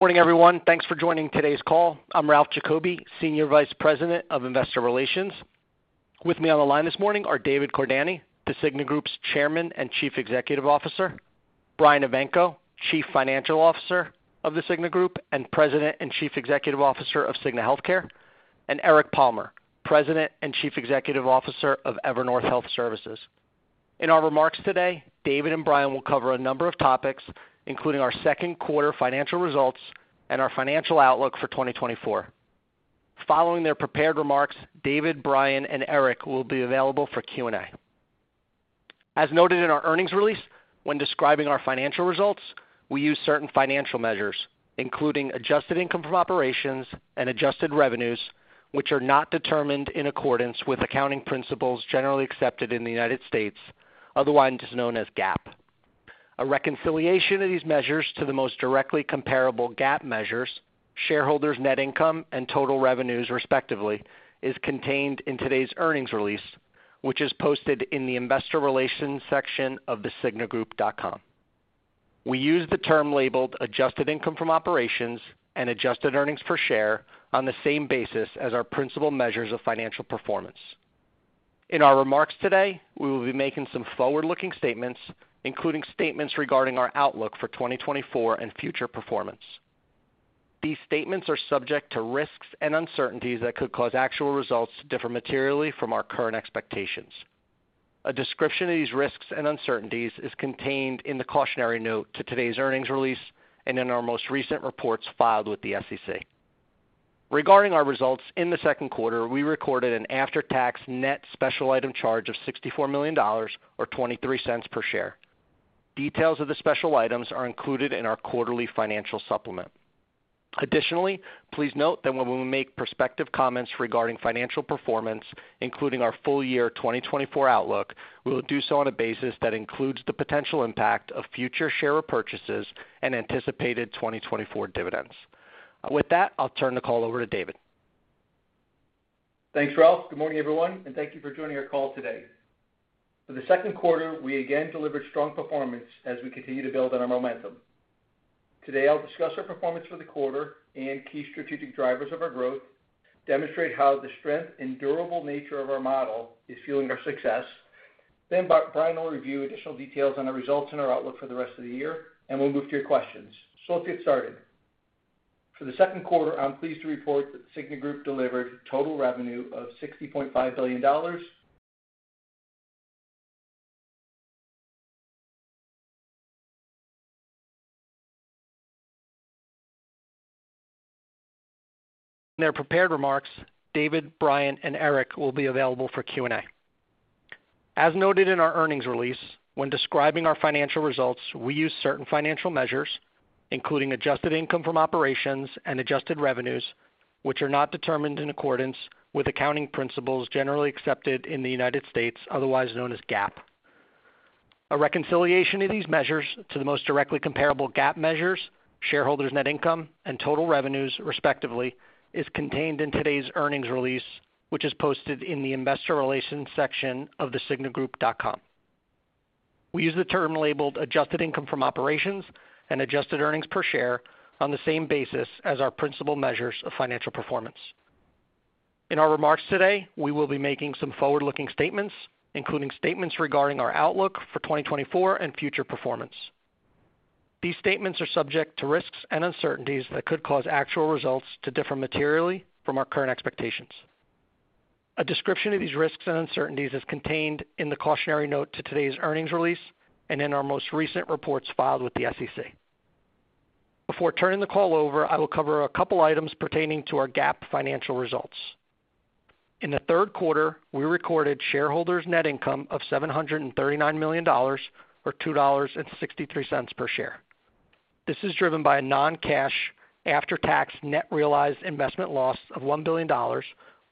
Morning, everyone. Thanks for joining today's call. I'm Ralph Giacobbe, Senior Vice President of Investor Relations. With me on the line this morning are David Cordani, the Cigna Group's Chairman and Chief Executive Officer, Brian Evanko, Chief Financial Officer of the Cigna Group and President and Chief Executive Officer of Cigna Healthcare, and Eric Palmer, President and Chief Executive Officer of Evernorth Health Services. In our remarks today, David and Brian will cover a number of topics, including our second quarter financial results and our financial outlook for 2024. Following their prepared remarks, David, Brian, and Eric will be available for Q&A. As noted in our earnings release, when describing our financial results, we use certain financial measures, including adjusted income from operations and adjusted revenues, which are not determined in accordance with accounting principles generally accepted in the United States, otherwise known as GAAP. A reconciliation of these measures to the most directly comparable GAAP measures, shareholders' net income and total revenues, respectively, is contained in today's earnings release, which is posted in the Investor Relations section of thecignagroup.com. We use the term labeled adjusted income from operations and adjusted earnings per share on the same basis as our principal measures of financial performance. In our remarks today, we will be making some forward-looking statements, including statements regarding our outlook for 2024 and future performance. These statements are subject to risks and uncertainties that could cause actual results to differ materially from our current expectations. A description of these risks and uncertainties is contained in the cautionary note to today's earnings release and in our most recent reports filed with the SEC. Regarding our results in the second quarter, we recorded an after-tax net special item charge of $64 million or $0.23 per share. Details of the special items are included in our quarterly financial supplement. Additionally, please note that when we make prospective comments regarding financial performance, including our full year 2024 outlook, we will do so on a basis that includes the potential impact of future share repurchases and anticipated 2024 dividends. With that, I'll turn the call over to David. Thanks, Ralph. Good morning, everyone, and thank you for joining our call today. For the second quarter, we again delivered strong performance as we continue to build on our momentum. Today, I'll discuss our performance for the quarter and key strategic drivers of our growth, demonstrate how the strength and durable nature of our model is fueling our success. Then, Brian will review additional details on our results and our outlook for the rest of the year, and we'll move to your questions. So let's get started. For the second quarter, I'm pleased to report that The Cigna Group delivered total revenue of $60.5 billion. In their prepared remarks, David, Brian, and Eric will be available for Q&A. As noted in our earnings release, when describing our financial results, we use certain financial measures, including adjusted income from operations and adjusted revenues, which are not determined in accordance with accounting principles generally accepted in the United States, otherwise known as GAAP. A reconciliation of these measures to the most directly comparable GAAP measures, shareholders' net income, and total revenues, respectively, is contained in today's earnings release, which is posted in the Investor Relations section of thecignagroup.com. We use the term labeled adjusted income from operations and adjusted earnings per share on the same basis as our principal measures of financial performance. In our remarks today, we will be making some forward-looking statements, including statements regarding our outlook for 2024 and future performance. These statements are subject to risks and uncertainties that could cause actual results to differ materially from our current expectations. A description of these risks and uncertainties is contained in the cautionary note to today's earnings release and in our most recent reports filed with the SEC. Before turning the call over, I will cover a couple of items pertaining to our GAAP financial results. In the third quarter, we recorded shareholders' net income of $739 million or $2.63 per share. This is driven by a non-cash after-tax net realized investment loss of $1 billion or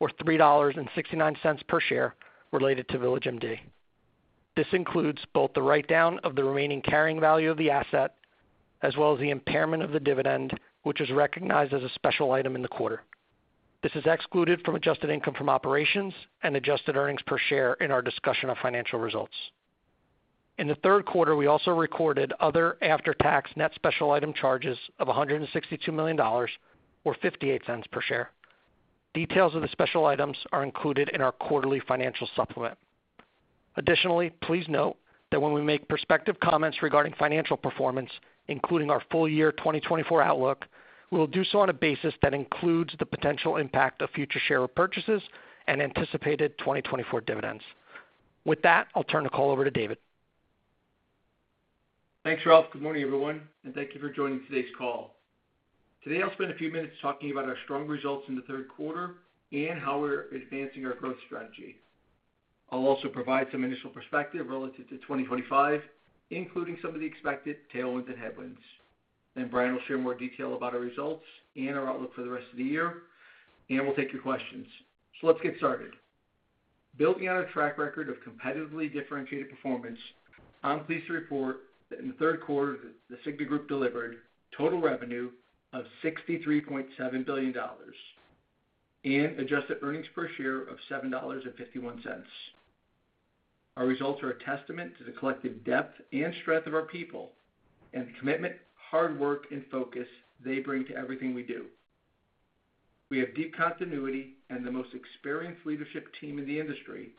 $3.69 per share related to VillageMD. This includes both the write-down of the remaining carrying value of the asset as well as the impairment of the dividend, which is recognized as a special item in the quarter. This is excluded from adjusted income from operations and adjusted earnings per share in our discussion of financial results. In the third quarter, we also recorded other after-tax net special item charges of $162 million or $0.58 per share. Details of the special items are included in our quarterly financial supplement. Additionally, please note that when we make prospective comments regarding financial performance, including our full year 2024 outlook, we will do so on a basis that includes the potential impact of future share repurchases and anticipated 2024 dividends. With that, I'll turn the call over to David. Thanks, Ralph. Good morning, everyone, and thank you for joining today's call. Today, I'll spend a few minutes talking about our strong results in the third quarter and how we're advancing our growth strategy. I'll also provide some initial perspective relative to 2025, including some of the expected tailwinds and headwinds. Then, Brian will share more detail about our results and our outlook for the rest of the year, and we'll take your questions, so let's get started. Building on our track record of competitively differentiated performance, I'm pleased to report that in the third quarter, The Cigna Group delivered total revenue of $63.7 billion and adjusted earnings per share of $7.51. Our results are a testament to the collective depth and strength of our people and the commitment, hard work, and focus they bring to everything we do. We have deep continuity and the most experienced leadership team in the industry,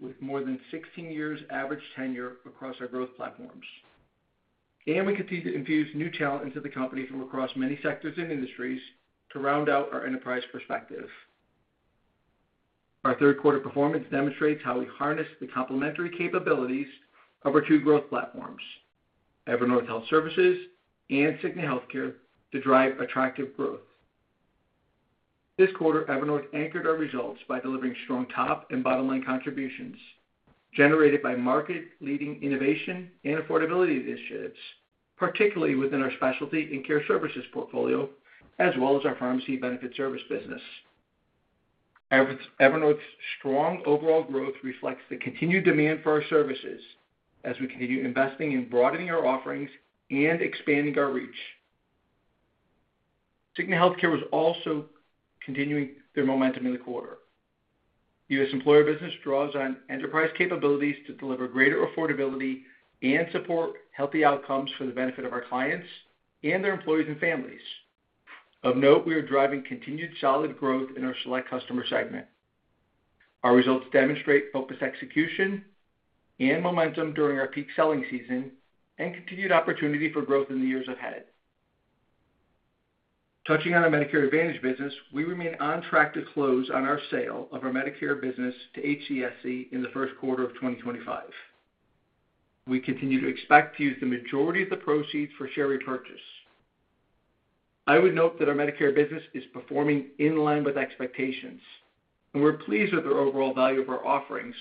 with more than 16 years' average tenure across our growth platforms. And we continue to infuse new talent into the company from across many sectors and industries to round out our enterprise perspective. Our third-quarter performance demonstrates how we harness the complementary capabilities of our two growth platforms, Evernorth Health Services and Cigna Healthcare, to drive attractive growth. This quarter, Evernorth anchored our results by delivering strong top and bottom-line contributions generated by market-leading innovation and affordability initiatives, particularly within our Specialty and Care Services portfolio, as well as our pharmacy benefit service business. Evernorth's strong overall growth reflects the continued demand for our services as we continue investing in broadening our offerings and expanding our reach. Cigna Healthcare is also continuing their momentum in the quarter. U.S. employer business draws on enterprise capabilities to deliver greater affordability and support healthy outcomes for the benefit of our clients, and their employees and families. Of note, we are driving continued solid growth in our select customer segment. Our results demonstrate focused execution and momentum during our peak selling season and continued opportunity for growth in the years ahead. Touching on our Medicare Advantage business, we remain on track to close on our sale of our Medicare business to HCSC in the first quarter of 2025. We continue to expect to use the majority of the proceeds for share repurchase. I would note that our Medicare business is performing in line with expectations, and we're pleased with the overall value of our offerings,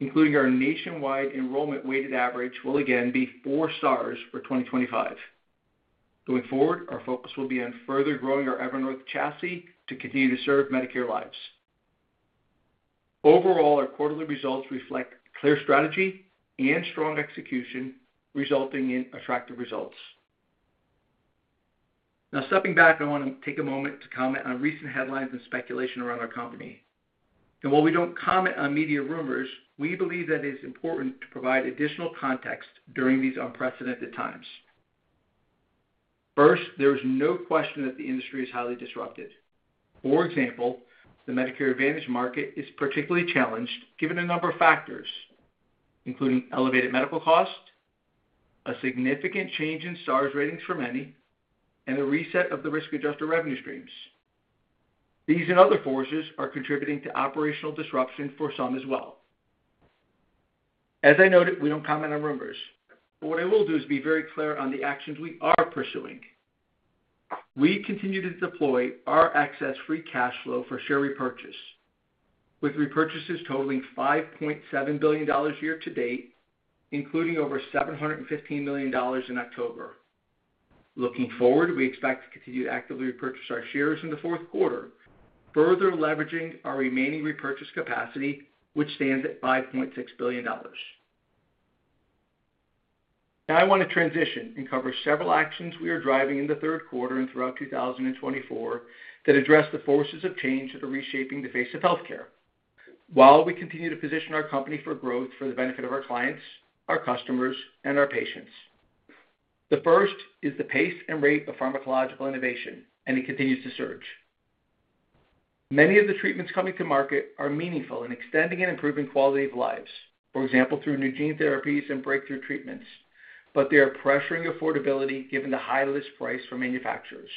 including our nationwide enrollment-weighted average, which will again be four stars for 2025. Going forward, our focus will be on further growing our Evernorth chassis to continue to serve Medicare lives. Overall, our quarterly results reflect clear strategy and strong execution, resulting in attractive results. Now, stepping back, I want to take a moment to comment on recent headlines and speculation around our company. And while we don't comment on media rumors, we believe that it is important to provide additional context during these unprecedented times. First, there is no question that the industry is highly disrupted. For example, the Medicare Advantage market is particularly challenged given a number of factors, including elevated medical costs, a significant change in star ratings for many, and the reset of the risk-adjusted revenue streams. These and other forces are contributing to operational disruption for some as well. As I noted, we don't comment on rumors, but what I will do is be very clear on the actions we are pursuing. We continue to deploy our excess free cash flow for share repurchase, with repurchases totaling $5.7 billion year-to-date, including over $715 million in October. Looking forward, we expect to continue to actively repurchase our shares in the fourth quarter, further leveraging our remaining repurchase capacity, which stands at $5.6 billion. Now, I want to transition and cover several actions we are driving in the third quarter and throughout 2024 that address the forces of change that are reshaping the face of healthcare while we continue to position our company for growth for the benefit of our clients, our customers, and our patients. The first is the pace and rate of pharmacological innovation, and it continues to surge. Many of the treatments coming to market are meaningful in extending and improving quality of lives, for example, through new gene therapies and breakthrough treatments, but they are pressuring affordability given the high list price for manufacturers.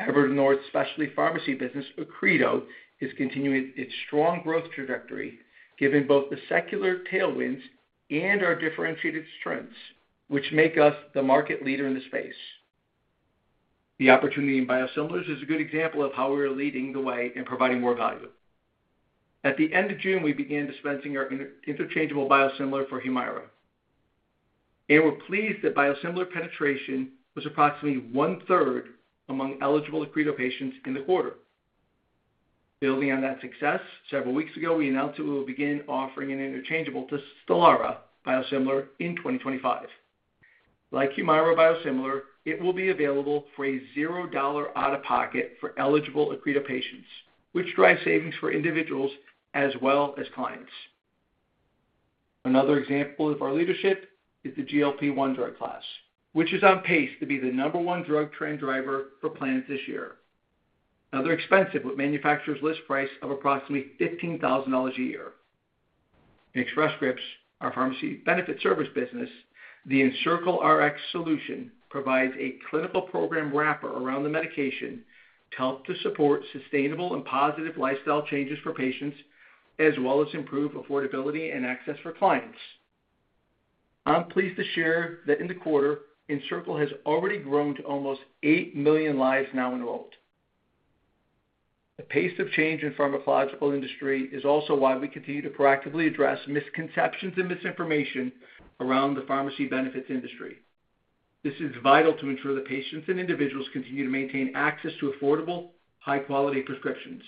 Evernorth Specialty Pharmacy business, Accredo, is continuing its strong growth trajectory given both the secular tailwinds and our differentiated strengths, which make us the market leader in the space. The opportunity in biosimilars is a good example of how we are leading the way and providing more value. At the end of June, we began dispensing our interchangeable biosimilar for Humira. We're pleased that biosimilar penetration was approximately one-third among eligible Accredo patients in the quarter. Building on that success, several weeks ago, we announced that we will begin offering an interchangeable Stelara biosimilar in 2025. Like Humira biosimilar, it will be available for a $0 out-of-pocket for eligible Accredo patients, which drives savings for individuals as well as clients. Another example of our leadership is the GLP-1 drug class, which is on pace to be the number one drug trend driver for plans this year. Now, they're expensive with manufacturers' list price of approximately $15,000 a year. Express Scripts, our pharmacy benefit service business, the EncircleRx solution provides a clinical program wrapper around the medication to help to support sustainable and positive lifestyle changes for patients, as well as improve affordability and access for clients. I'm pleased to share that in the quarter, Encircle has already grown to almost 8 million lives now enrolled. The pace of change in the pharmaceutical industry is also why we continue to proactively address misconceptions and misinformation around the pharmacy benefits industry. This is vital to ensure that patients and individuals continue to maintain access to affordable, high-quality prescriptions.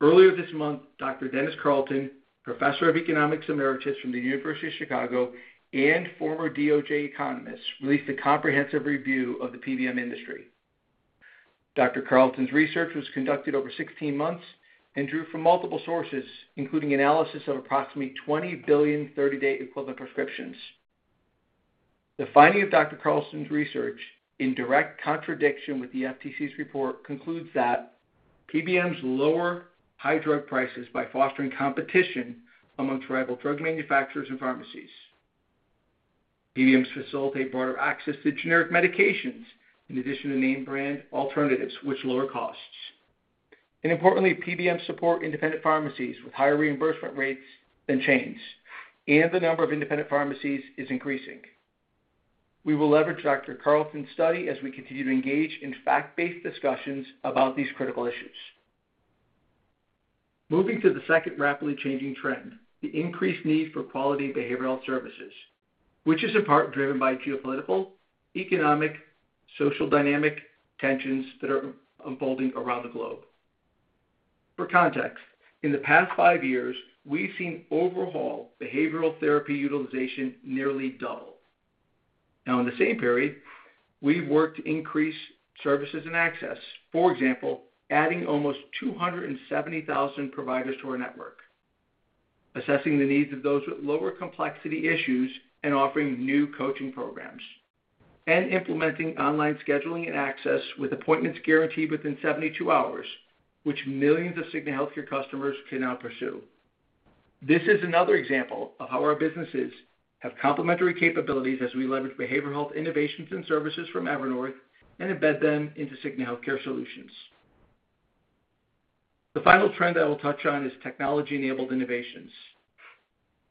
Earlier this month, Dr. Dennis Carlton, Professor of Economics Emeritus from the University of Chicago and former DOJ economist, released a comprehensive review of the PBM industry. Dr. Carlton's research was conducted over 16 months and drew from multiple sources, including analysis of approximately 20 billion 30-day equivalent prescriptions. The finding of Dr. Carlton's research, in direct contradiction with the FTC's report, concludes that PBMs lower high drug prices by fostering competition among rival drug manufacturers and pharmacies. PBMs facilitate broader access to generic medications in addition to name-brand alternatives, which lower costs, and importantly, PBMs support independent pharmacies with higher reimbursement rates than chains, and the number of independent pharmacies is increasing. We will leverage Dr. Carlton's study as we continue to engage in fact-based discussions about these critical issues. Moving to the second rapidly changing trend, the increased need for quality behavioral health services, which is in part driven by geopolitical, economic, social dynamic tensions that are unfolding around the globe. For context, in the past five years, we've seen overall behavioral therapy utilization nearly double. Now, in the same period, we've worked to increase services and access, for example, adding almost 270,000 providers to our network, assessing the needs of those with lower complexity issues, and offering new coaching programs, and implementing online scheduling and access with appointments guaranteed within 72 hours, which millions of Cigna Healthcare customers can now pursue. This is another example of how our businesses have complementary capabilities as we leverage behavioral health innovations and services from Evernorth and embed them into Cigna Healthcare solutions. The final trend I will touch on is technology-enabled innovations.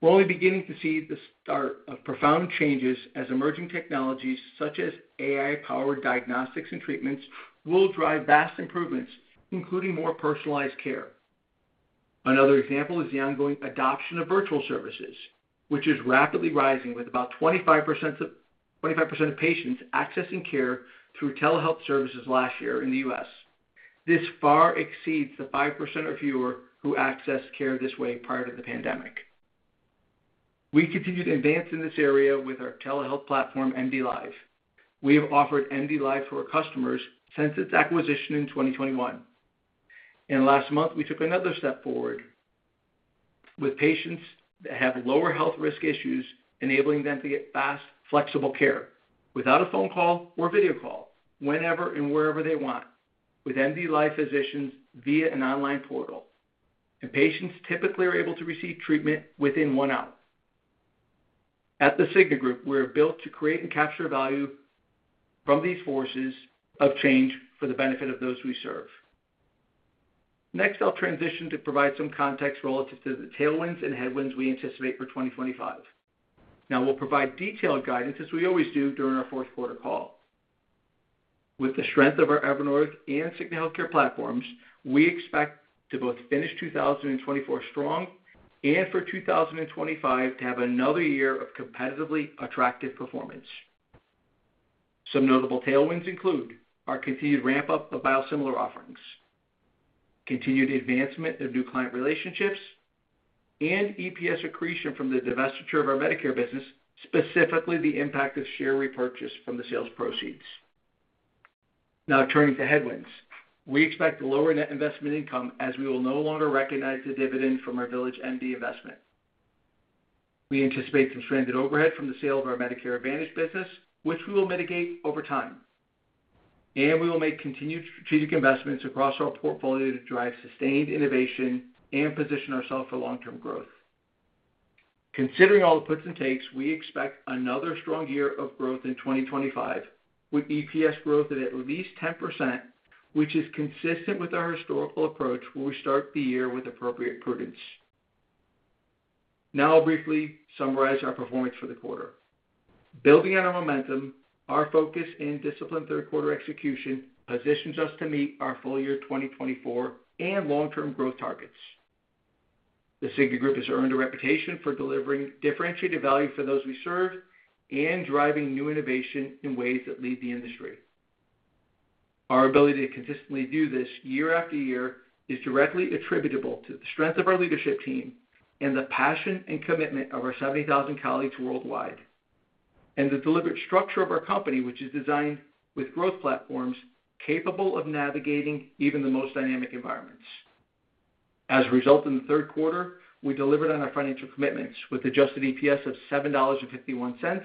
We're only beginning to see the start of profound changes as emerging technologies such as AI-powered diagnostics and treatments will drive vast improvements, including more personalized care. Another example is the ongoing adoption of virtual services, which is rapidly rising with about 25% of patients accessing care through telehealth services last year in the U.S. This far exceeds the 5% or fewer who accessed care this way prior to the pandemic. We continue to advance in this area with our telehealth platform, MDLIVE. We have offered MDLIVE to our customers since its acquisition in 2021. In the last month, we took another step forward with patients that have lower health risk issues, enabling them to get fast, flexible care without a phone call or video call, whenever and wherever they want, with MDLIVE physicians via an online portal, and patients typically are able to receive treatment within one hour. At The Cigna Group, we are built to create and capture value from these forces of change for the benefit of those we serve. Next, I'll transition to provide some context relative to the tailwinds and headwinds we anticipate for 2025. Now, we'll provide detailed guidance, as we always do during our fourth quarter call. With the strength of our Evernorth and Cigna Healthcare platforms, we expect to both finish 2024 strong and for 2025 to have another year of competitively attractive performance. Some notable tailwinds include our continued ramp-up of biosimilar offerings, continued advancement of new client relationships, and EPS accretion from the divestiture of our Medicare business, specifically the impact of share repurchase from the sales proceeds. Now, turning to headwinds, we expect lower net investment income as we will no longer recognize the dividend from our VillageMD investment. We anticipate some stranded overhead from the sale of our Medicare Advantage business, which we will mitigate over time, and we will make continued strategic investments across our portfolio to drive sustained innovation and position ourselves for long-term growth. Considering all the puts and takes, we expect another strong year of growth in 2025, with EPS growth of at least 10%, which is consistent with our historical approach where we start the year with appropriate prudence. Now, I'll briefly summarize our performance for the quarter. Building on our momentum, our focus and disciplined third-quarter execution positions us to meet our full year 2024 and long-term growth targets. The Cigna Group has earned a reputation for delivering differentiated value for those we serve and driving new innovation in ways that lead the industry. Our ability to consistently do this year after year is directly attributable to the strength of our leadership team and the passion and commitment of our 70,000 colleagues worldwide, and the deliberate structure of our company, which is designed with growth platforms capable of navigating even the most dynamic environments. As a result, in the third quarter, we delivered on our financial commitments with adjusted EPS of $7.51,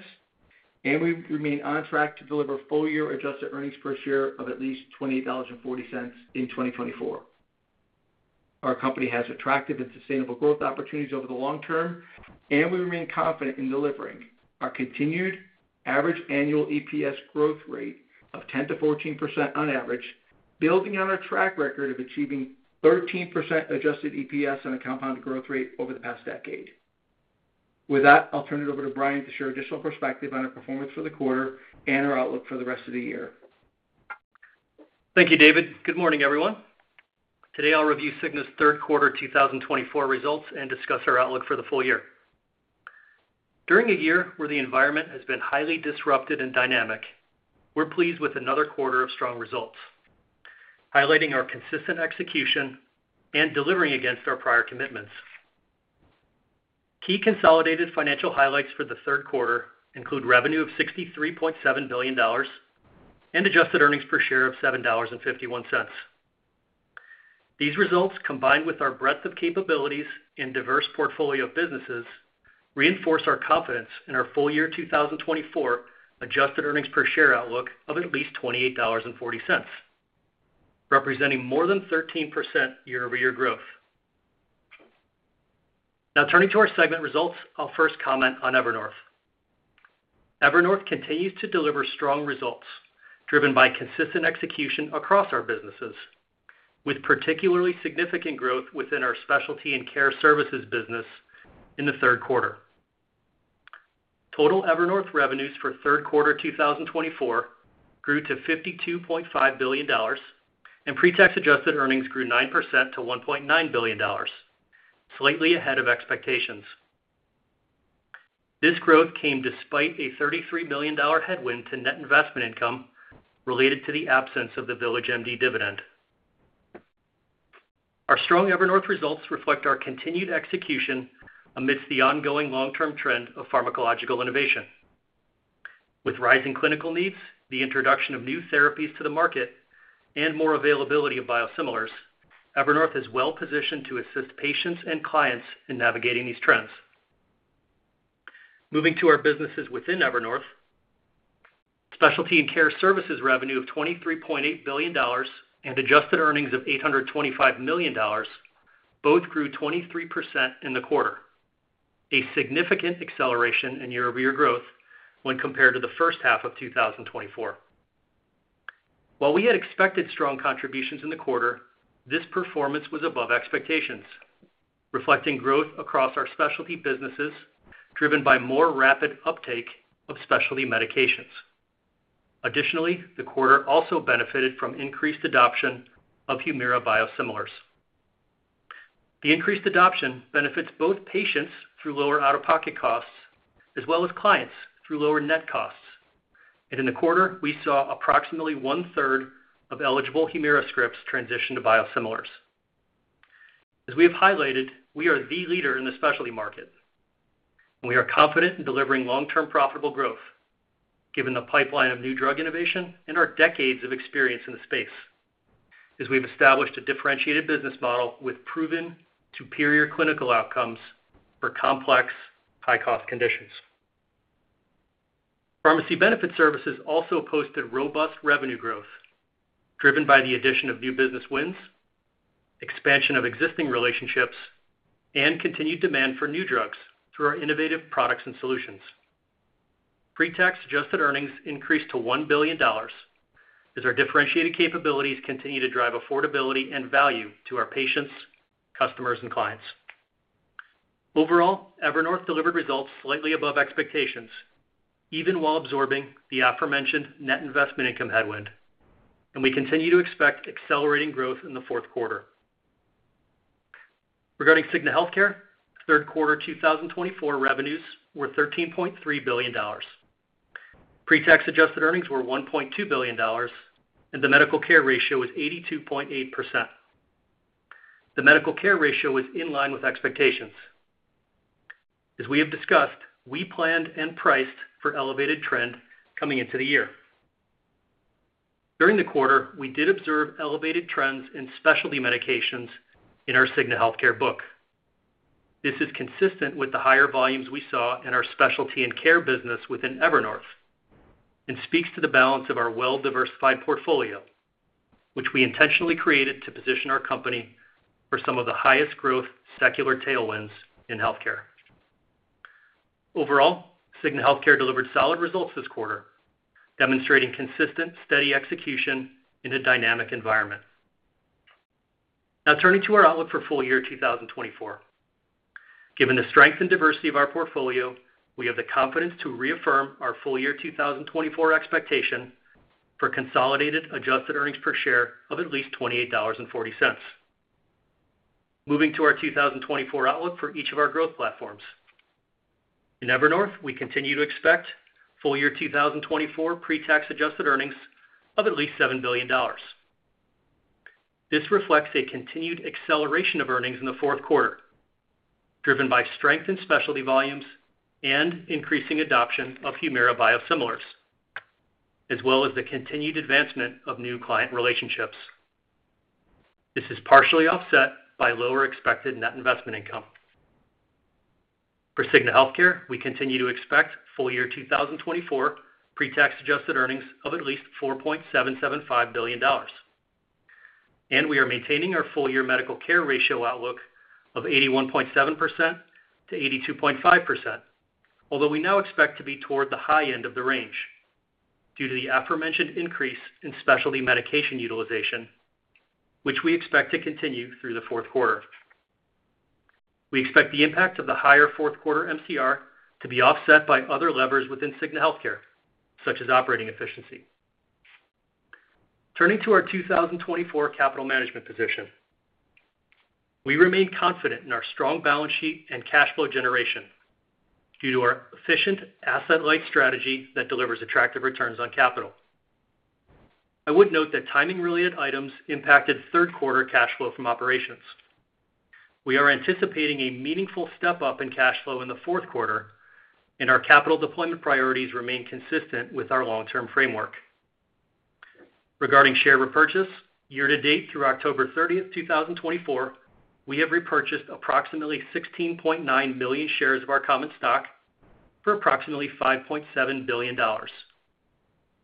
and we remain on track to deliver full-year adjusted earnings per share of at least $28.40 in 2024. Our company has attractive and sustainable growth opportunities over the long term, and we remain confident in delivering our continued average annual EPS growth rate of 10%-14% on average, building on our track record of achieving 13% adjusted EPS on a compounded growth rate over the past decade. With that, I'll turn it over to Brian to share additional perspective on our performance for the quarter and our outlook for the rest of the year. Thank you, David. Good morning, everyone. Today, I'll review The Cigna Group's third quarter 2024 results and discuss our outlook for the full year. During a year where the environment has been highly disrupted and dynamic, we're pleased with another quarter of strong results, highlighting our consistent execution and delivering against our prior commitments. Key consolidated financial highlights for the third quarter include revenue of $63.7 billion and adjusted earnings per share of $7.51. These results, combined with our breadth of capabilities and diverse portfolio of businesses, reinforce our confidence in our full year 2024 adjusted earnings per share outlook of at least $28.40, representing more than 13% year-over-year growth. Now, turning to our segment results, I'll first comment on Evernorth. Evernorth continues to deliver strong results driven by consistent execution across our businesses, with particularly significant growth within our Specialty and Care Services business in the third quarter. Total Evernorth revenues for third quarter 2024 grew to $52.5 billion, and pre-tax adjusted earnings grew 9% to $1.9 billion, slightly ahead of expectations. This growth came despite a $33 million headwind to net investment income related to the absence of the VillageMD dividend. Our strong Evernorth results reflect our continued execution amidst the ongoing long-term trend of pharmacological innovation. With rising clinical needs, the introduction of new therapies to the market, and more availability of biosimilars, Evernorth is well-positioned to assist patients and clients in navigating these trends. Moving to our businesses within Evernorth, Specialty and Care Services revenue of $23.8 billion and adjusted earnings of $825 million both grew 23% in the quarter, a significant acceleration in year-over-year growth when compared to the first half of 2024. While we had expected strong contributions in the quarter, this performance was above expectations, reflecting growth across our specialty businesses driven by more rapid uptake of specialty medications. Additionally, the quarter also benefited from increased adoption of Humira biosimilars. The increased adoption benefits both patients through lower out-of-pocket costs as well as clients through lower net costs, and in the quarter, we saw approximately one-third of eligible Humira scripts transition to biosimilars. As we have highlighted, we are the leader in the specialty market. We are confident in delivering long-term profitable growth given the pipeline of new drug innovation and our decades of experience in the space, as we've established a differentiated business model with proven superior clinical outcomes for complex, high-cost conditions. Pharmacy benefit services also posted robust revenue growth driven by the addition of new business wins, expansion of existing relationships, and continued demand for new drugs through our innovative products and solutions. Pre-tax adjusted earnings increased to $1 billion as our differentiated capabilities continue to drive affordability and value to our patients, customers, and clients. Overall, Evernorth delivered results slightly above expectations, even while absorbing the aforementioned net investment income headwind, and we continue to expect accelerating growth in the fourth quarter. Regarding Cigna Healthcare, third quarter 2024 revenues were $13.3 billion. Pre-tax adjusted earnings were $1.2 billion, and the medical care ratio was 82.8%. The medical care ratio was in line with expectations. As we have discussed, we planned and priced for elevated trend coming into the year. During the quarter, we did observe elevated trends in specialty medications in our Cigna Healthcare book. This is consistent with the higher volumes we saw in our specialty and care business within Evernorth and speaks to the balance of our well-diversified portfolio, which we intentionally created to position our company for some of the highest growth secular tailwinds in healthcare. Overall, Cigna Healthcare delivered solid results this quarter, demonstrating consistent, steady execution in a dynamic environment. Now, turning to our outlook for full year 2024. Given the strength and diversity of our portfolio, we have the confidence to reaffirm our full year 2024 expectation for consolidated adjusted earnings per share of at least $28.40. Moving to our 2024 outlook for each of our growth platforms. In Evernorth, we continue to expect full year 2024 pre-tax adjusted earnings of at least $7 billion. This reflects a continued acceleration of earnings in the fourth quarter, driven by strength in specialty volumes and increasing adoption of Humira biosimilars, as well as the continued advancement of new client relationships. This is partially offset by lower expected net investment income. For Cigna Healthcare, we continue to expect full year 2024 pre-tax adjusted earnings of at least $4.775 billion. We are maintaining our full year medical care ratio outlook of 81.7%-82.5%, although we now expect to be toward the high end of the range due to the aforementioned increase in specialty medication utilization, which we expect to continue through the fourth quarter. We expect the impact of the higher fourth quarter MCR to be offset by other levers within Cigna Healthcare, such as operating efficiency. Turning to our 2024 capital management position, we remain confident in our strong balance sheet and cash flow generation due to our efficient asset-light strategy that delivers attractive returns on capital. I would note that timing-related items impacted third-quarter cash flow from operations. We are anticipating a meaningful step-up in cash flow in the fourth quarter, and our capital deployment priorities remain consistent with our long-term framework. Regarding share repurchase, year-to-date through October 30, 2024, we have repurchased approximately 16.9 million shares of our common stock for approximately $5.7 billion,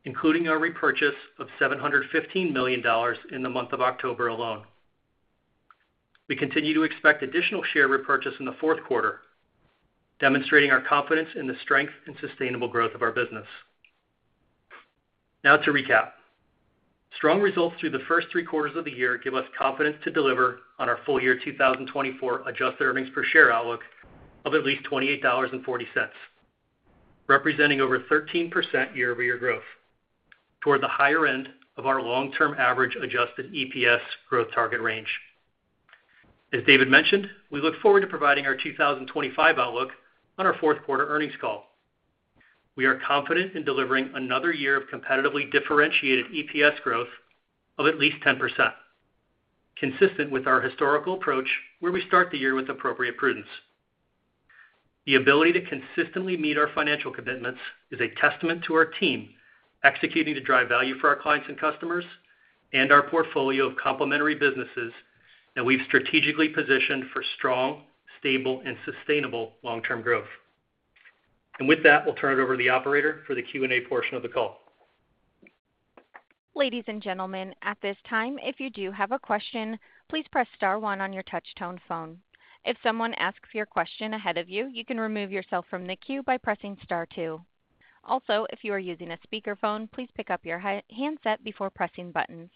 including our repurchase of $715 million in the month of October alone. We continue to expect additional share repurchase in the fourth quarter, demonstrating our confidence in the strength and sustainable growth of our business. Now, to recap, strong results through the first three quarters of the year give us confidence to deliver on our full year 2024 adjusted earnings per share outlook of at least $28.40, representing over 13% year-over-year growth toward the higher end of our long-term average adjusted EPS growth target range. As David mentioned, we look forward to providing our 2025 outlook on our fourth quarter earnings call. We are confident in delivering another year of competitively differentiated EPS growth of at least 10%, consistent with our historical approach where we start the year with appropriate prudence. The ability to consistently meet our financial commitments is a testament to our team executing to drive value for our clients and customers and our portfolio of complementary businesses that we've strategically positioned for strong, stable, and sustainable long-term growth. And with that, we'll turn it over to the operator for the Q&A portion of the call. Ladies and gentlemen, at this time, if you do have a question, please press star one on your touch-tone phone. If someone asks your question ahe d of you, you can remove yourself from the queue by pressing star one. Also, if you are using a speakerphone, please pick up your handset before pressing buttons.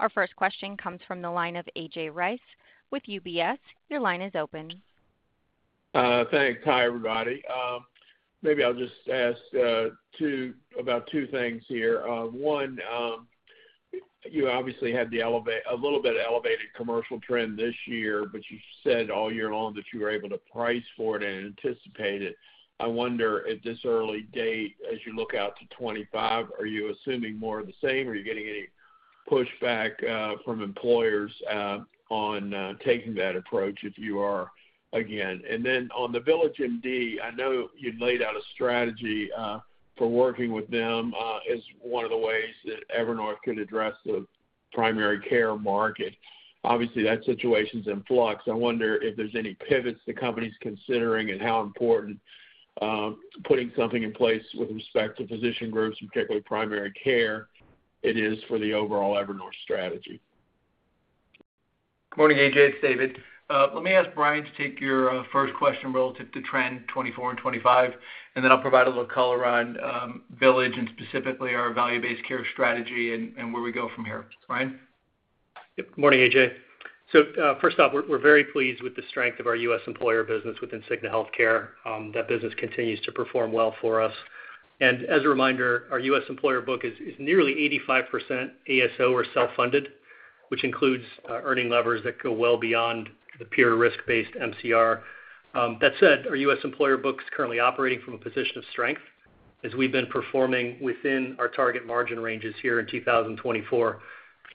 Our first question comes from the line of A.J. Rice with UBS. Your line is open. Thanks. Hi, everybody. Maybe I'll just ask about two things here. One, you obviously had a little bit of elevated commercial trend this year, but you said all year long that you were able to price for it and anticipate it. I wonder, at this early date, as you look out to 2025, are you assuming more of the same, or are you getting any pushback from employers on taking that approach if you are again? And then on the VillageMD, I know you laid out a strategy for working with them as one of the ways that Evernorth could address the primary care market. Obviously, that situation's in flux. I wonder if there's any pivots the company's considering and how important putting something in place with respect to physician groups, particularly primary care, it is for the overall Evernorth strategy. Good morning, A.J. It's David. Let me ask Brian to take your first question relative to trend 2024 and 2025, and then I'll provide a little color on VillageMD and specifically our value-based care strategy and where we go from here. Brian? Yeah. Good morning, A.J. First off, we're very pleased with the strength of our U.S. employer business within Cigna Healthcare. That business continues to perform well for us. And as a reminder, our U.S. employer book is nearly 85% ASO or self-funded, which includes earning levers that go well beyond the pure risk-based MCR. That said, our U.S. employer book is currently operating from a position of strength as we've been performing within our target margin ranges here in 2024.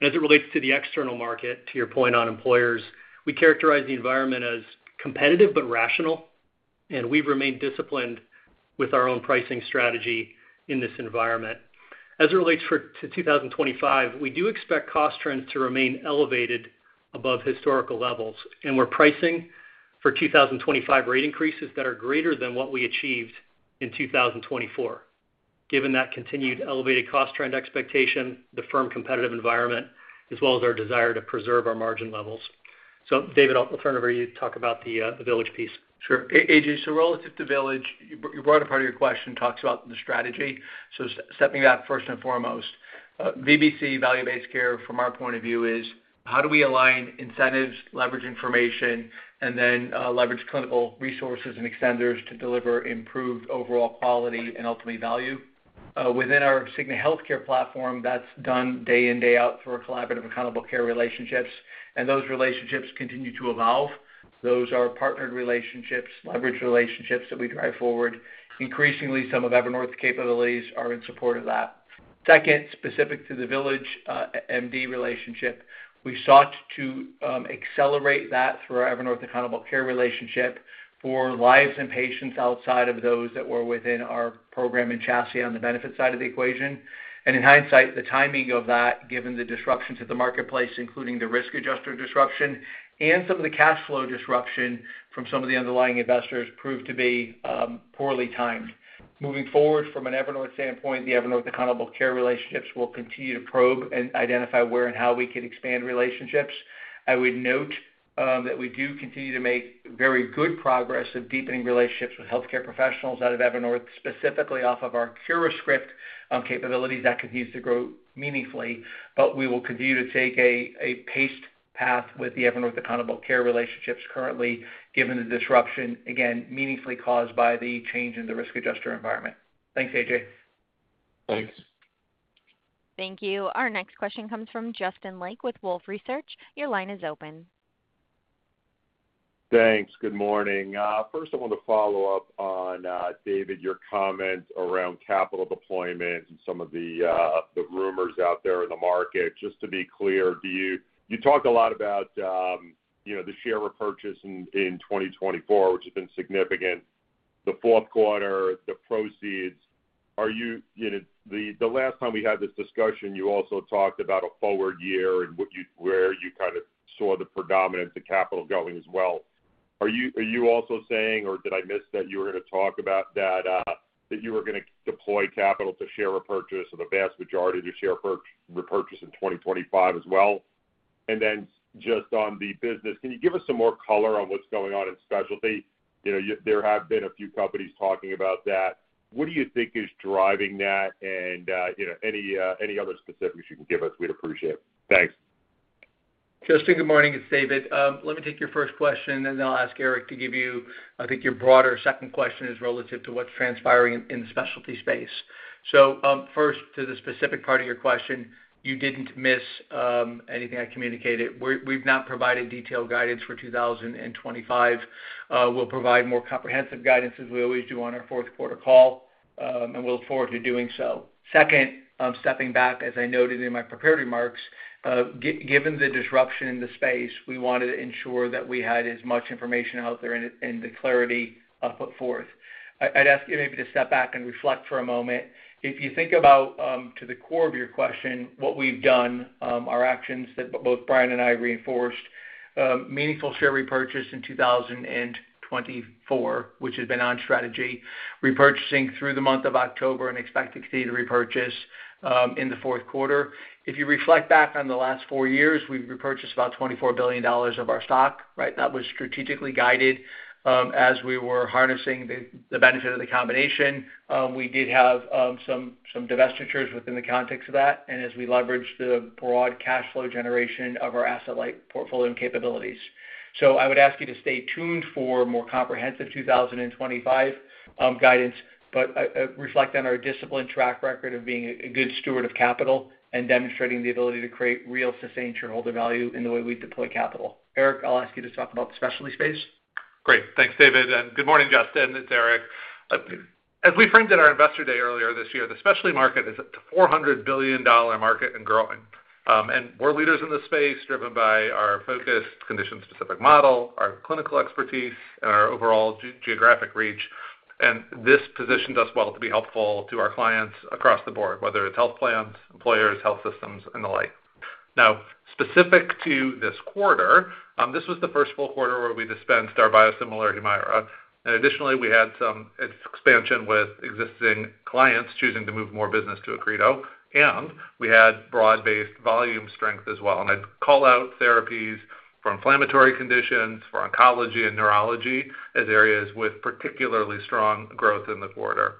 As it relates to the external market, to your point on employers, we characterize the environment as competitive but rational, and we've remained disciplined with our own pricing strategy in this environment. As it relates to 2025, we do expect cost trends to remain elevated above historical levels, and we're pricing for 2025 rate increases that are greater than what we achieved in 2024, given that continued elevated cost trend expectation, the fierce competitive environment, as well as our desire to preserve our margin levels. So David, I'll turn it over to you to talk about the Village piece. Sure. A.J., so relative to Village, your broader part of your question talks about the strategy. So stepping back first and foremost, VBC value-based care, from our point of view, is how do we align incentives, leverage information, and then leverage clinical resources and extenders to deliver improved overall quality and ultimately value? Within our Cigna Healthcare platform, that's done day in, day out through our collaborative accountable care relationships, and those relationships continue to evolve. Those are partnered relationships, leveraged relationships that we drive forward. Increasingly, some of Evernorth's capabilities are in support of that. Second, specific to the VillageMD relationship, we sought to accelerate that through our Evernorth accountable care relationship for lives and patients outside of those that were within our program and chassis on the benefit side of the equation. In hindsight, the timing of that, given the disruptions of the marketplace, including the risk adjuster disruption and some of the cash flow disruption from some of the underlying investors, proved to be poorly timed. Moving forward from an Evernorth standpoint, the Evernorth accountable care relationships will continue to probe and identify where and how we could expand relationships. I would note that we do continue to make very good progress of deepening relationships with healthcare professionals out of Evernorth, specifically off of our CuraScript capabilities that continue to grow meaningfully. But we will continue to take a paced path with the Evernorth accountable care relationships currently, given the disruption, again, meaningfully caused by the change in the risk adjuster environment. Thanks, A.J. Thanks. Thank you. Our next question comes from Justin Lake with Wolfe Research. Your line is open. Thanks. Good morning. First, I want to follow up on, David, your comment around capital deployment and some of the rumors out there in the market. Just to be clear, you talked a lot about the share repurchase in 2024, which has been significant, the fourth quarter, the proceeds. The last time we had this discussion, you also talked about a forward year and where you kind of saw the predominance of capital going as well. Are you also saying, or did I miss that you were going to talk about that you were going to deploy capital to share repurchase or the vast majority of the share repurchase in 2025 as well? And then just on the business, can you give us some more color on what's going on in specialty? There have been a few companies talking about that. What do you think is driving that? And any other specifics you can give us, we'd appreciate it. Thanks. Justin, good morning. It's David. Let me take your first question, and then I'll ask Eric to give you, I think, your broader second question is relative to what's transpiring in the specialty space. So first, to the specific part of your question, you didn't miss anything I communicated. We've not provided detailed guidance for 2025. We'll provide more comprehensive guidance, as we always do on our fourth quarter call, and we'll look forward to doing so. Second, stepping back, as I noted in my prepared remarks, given the disruption in the space, we wanted to ensure that we had as much information out there and the clarity I'll put forth. I'd ask you maybe to step back and reflect for a moment. If you think about, to the core of your question, what we've done, our actions that both Brian and I reinforced, meaningful share repurchase in 2024, which has been on strategy, repurchasing through the month of October and expect to continue to repurchase in the fourth quarter. If you reflect back on the last four years, we've repurchased about $24 billion of our stock, right? That was strategically guided as we were harnessing the benefit of the combination. We did have some divestitures within the context of that, and as we leveraged the broad cash flow generation of our asset-light portfolio and capabilities. So I would ask you to stay tuned for more comprehensive 2025 guidance, but reflect on our disciplined track record of being a good steward of capital and demonstrating the ability to create real sustained shareholder value in the way we deploy capital. Eric, I'll ask you to talk about the specialty space. Great. Thanks, David. And good morning, Justin. It's Eric. As we framed at our Investor Day earlier this year, the specialty market is a $400 billion market and growing. And we're leaders in the space driven by our focused condition-specific model, our clinical expertise, and our overall geographic reach. And this positions us well to be helpful to our clients across the board, whether it's health plans, employers, health systems, and the like. Now, specific to this quarter, this was the first full quarter where we dispensed our biosimilar Humira. And additionally, we had some expansion with existing clients choosing to move more business to Accredo. And we had broad-based volume strength as well. And I'd call out therapies for inflammatory conditions, for oncology and neurology as areas with particularly strong growth in the quarter.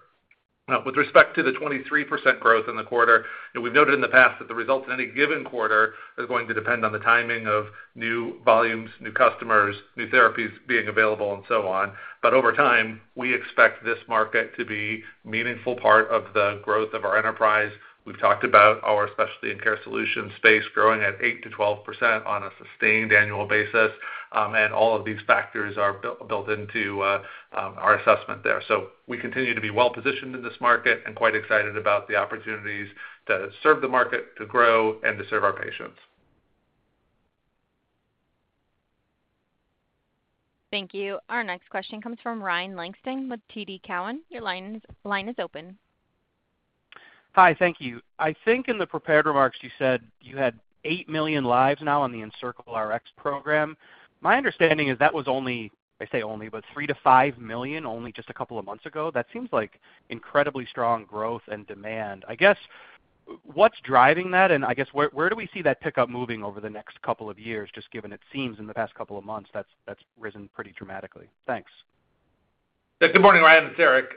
With respect to the 23% growth in the quarter, we've noted in the past that the results in any given quarter are going to depend on the timing of new volumes, new customers, new therapies being available, and so on. But over time, we expect this market to be a meaningful part of the growth of our enterprise. We've talked about our specialty and care solution space growing at 8%-12% on a sustained annual basis. And all of these factors are built into our assessment there. So we continue to be well-positioned in this market and quite excited about the opportunities to serve the market, to grow, and to serve our patients. Thank you. Our next question comes from Ryan Langston with TD Cowen. Your line is open. Hi. Thank you. I think in the prepared remarks, you said you had 8 million lives now on the EncircleRx program. My understanding is that was only, I say only, but 3 million-5 million only just a couple of months ago. That seems like incredibly strong growth and demand. I guess what's driving that? I guess where do we see that pickup moving over the next couple of years, just given it seems in the past couple of months that's risen pretty dramatically? Thanks. Good morning, Ryan. It's Eric.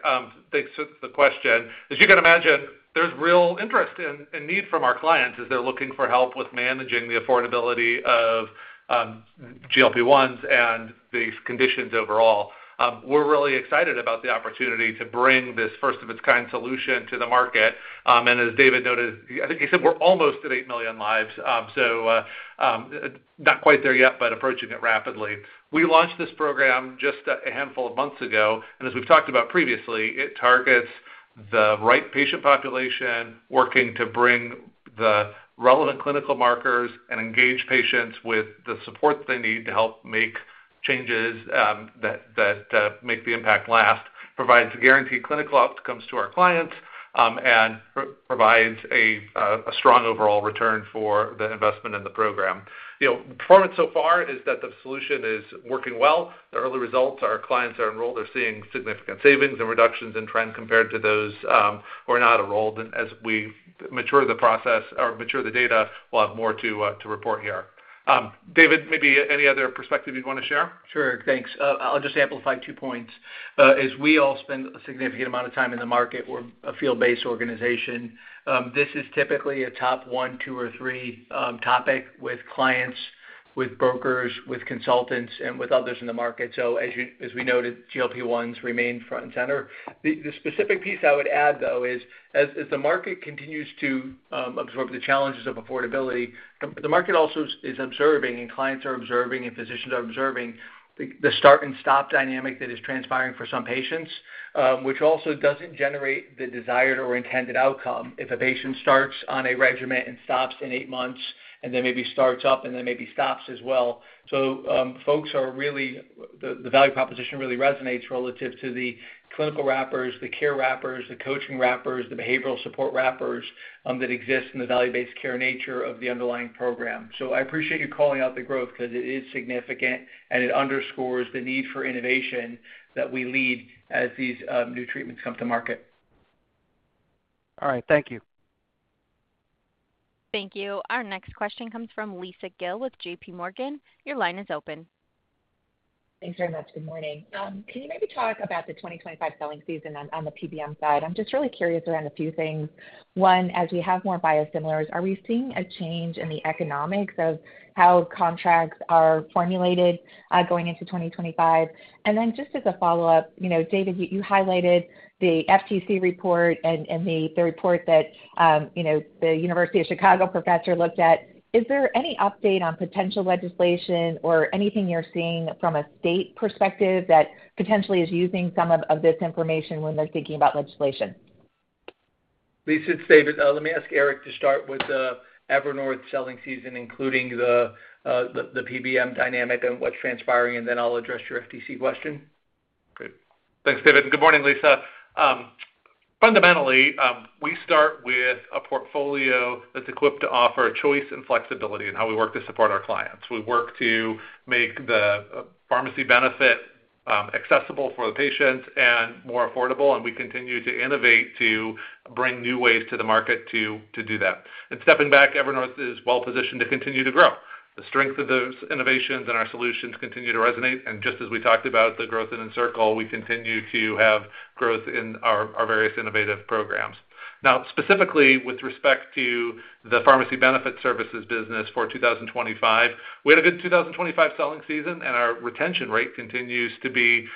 Thanks for the question. As you can imagine, there's real interest and need from our clients as they're looking for help with managing the affordability of GLP-1s and these conditions overall. We're really excited about the opportunity to bring this first-of-its-kind solution to the market. And as David noted, I think he said we're almost at eight million lives. So not quite there yet, but approaching it rapidly. We launched this program just a handful of months ago. As we've talked about previously, it targets the right patient population working to bring the relevant clinical markers and engage patients with the support they need to help make changes that make the impact last, provides guaranteed clinical outcomes to our clients, and provides a strong overall return for the investment in the program. Performance so far is that the solution is working well. The early results, our clients are enrolled, are seeing significant savings and reductions in trend compared to those who are not enrolled. And as we mature the process or mature the data, we'll have more to report here. David, maybe any other perspective you'd want to share? Sure. Thanks. I'll just amplify two points. As we all spend a significant amount of time in the market, we're a field-based organization. This is typically a top one, two, or three topic with clients, with brokers, with consultants, and with others in the market. So as we noted, GLP-1s remain front and center. The specific piece I would add, though, is as the market continues to absorb the challenges of affordability, the market also is observing, and clients are observing, and physicians are observing the start and stop dynamic that is transpiring for some patients, which also doesn't generate the desired or intended outcome if a patient starts on a regimen and stops in eight months, and then maybe starts up, and then maybe stops as well. So folks are really the value proposition really resonates relative to the clinical wrappers, the care wrappers, the coaching wrappers, the behavioral support wrappers that exist in the value-based care nature of the underlying program. So I appreciate you calling out the growth because it is significant, and it underscores the need for innovation that we lead as these new treatments come to market. All right. Thank you. Thank you. Our next question comes from Lisa Gill with JPMorgan. Your line is open. Thanks very much. Good morning. Can you maybe talk about the 2025 selling season on the PBM side? I'm just really curious around a few things. One, as we have more biosimilars, are we seeing a change in the economics of how contracts are formulated going into 2025? And then just as a follow-up, David, you highlighted the FTC report and the report that the University of Chicago professor looked at. Is there any update on potential legislation or anything you're seeing from a state perspective that potentially is using some of this information when they're thinking about legislation? Lisa, it's David. Let me ask Eric to start with Evernorth selling season, including the PBM dynamic and what's transpiring, and then I'll address your FTC question. Great. Thanks, David. Good morning, Lisa. Fundamentally, we start with a portfolio that's equipped to offer choice and flexibility in how we work to support our clients. We work to make the pharmacy benefit accessible for the patients and more affordable, and we continue to innovate to bring new ways to the market to do that. And stepping back, Evernorth is well-positioned to continue to grow. The strength of those innovations and our solutions continue to resonate. And just as we talked about the growth in Encircle, we continue to have growth in our various innovative programs. Now, specifically, with respect to the pharmacy benefit services business for 2025, we had a good 2025 selling season, and our retention rate continues to be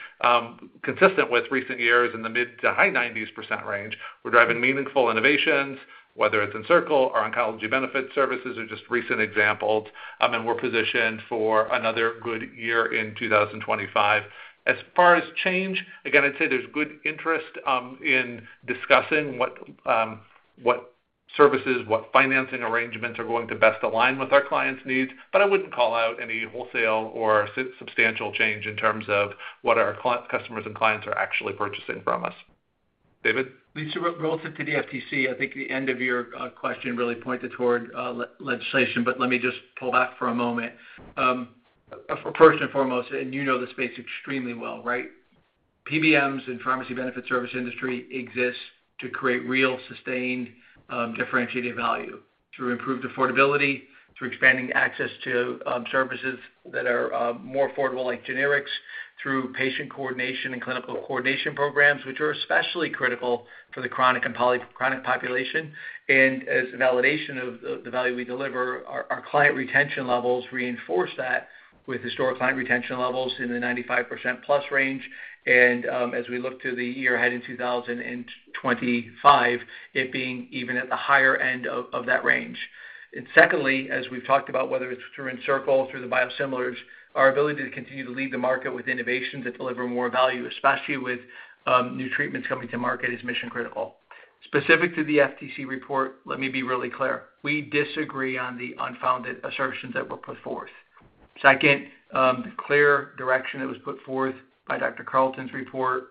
consistent with recent years in the mid-to-high 90s% range. We're driving meaningful innovations, whether it's Encircle or oncology benefit services, are just recent examples, and we're positioned for another good year in 2025. As far as change, again, I'd say there's good interest in discussing what services, what financing arrangements are going to best align with our clients' needs, but I wouldn't call out any wholesale or substantial change in terms of what our customers and clients are actually purchasing from us. David? Lisa, relative to the FTC, I think the end of your question really pointed toward legislation, but let me just pull back for a moment. First and foremost, and you know the space extremely well, right? PBMs and pharmacy benefit service industry exist to create real sustained differentiated value through improved affordability, through expanding access to services that are more affordable, like generics, through patient coordination and clinical coordination programs, which are especially critical for the chronic and polychronic population. And as validation of the value we deliver, our client retention levels reinforce that with historic client retention levels in the 95% plus range. And as we look to the year ahead in 2025, it being even at the higher end of that range. And secondly, as we've talked about, whether it's through Encircle, through the biosimilars, our ability to continue to lead the market with innovations that deliver more value, especially with new treatments coming to market, is mission-critical. Specific to the FTC report, let me be really clear. We disagree on the unfounded assertions that were put forth. Second, the clear direction that was put forth by Dr. Carlton's report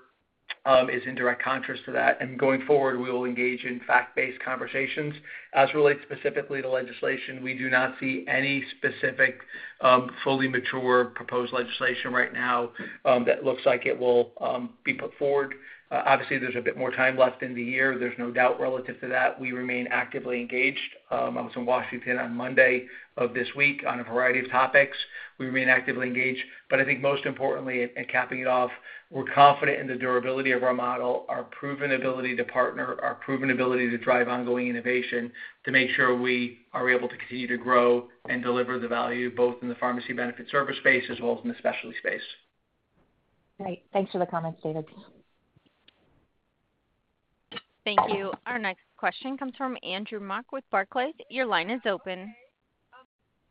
is in direct contrast to that. And going forward, we will engage in fact-based conversations. As it relates specifically to legislation, we do not see any specific fully mature proposed legislation right now that looks like it will be put forward. Obviously, there's a bit more time left in the year. There's no doubt relative to that. We remain actively engaged. I was in Washington on Monday of this week on a variety of topics. We remain actively engaged. But I think most importantly, and capping it off, we're confident in the durability of our model, our proven ability to partner, our proven ability to drive ongoing innovation to make sure we are able to continue to grow and deliver the value both in the pharmacy benefit service space as well as in the specialty space. Great. Thanks for the comments, David. Thank you. Our next question comes from Andrew Mok with Barclays. Your line is open.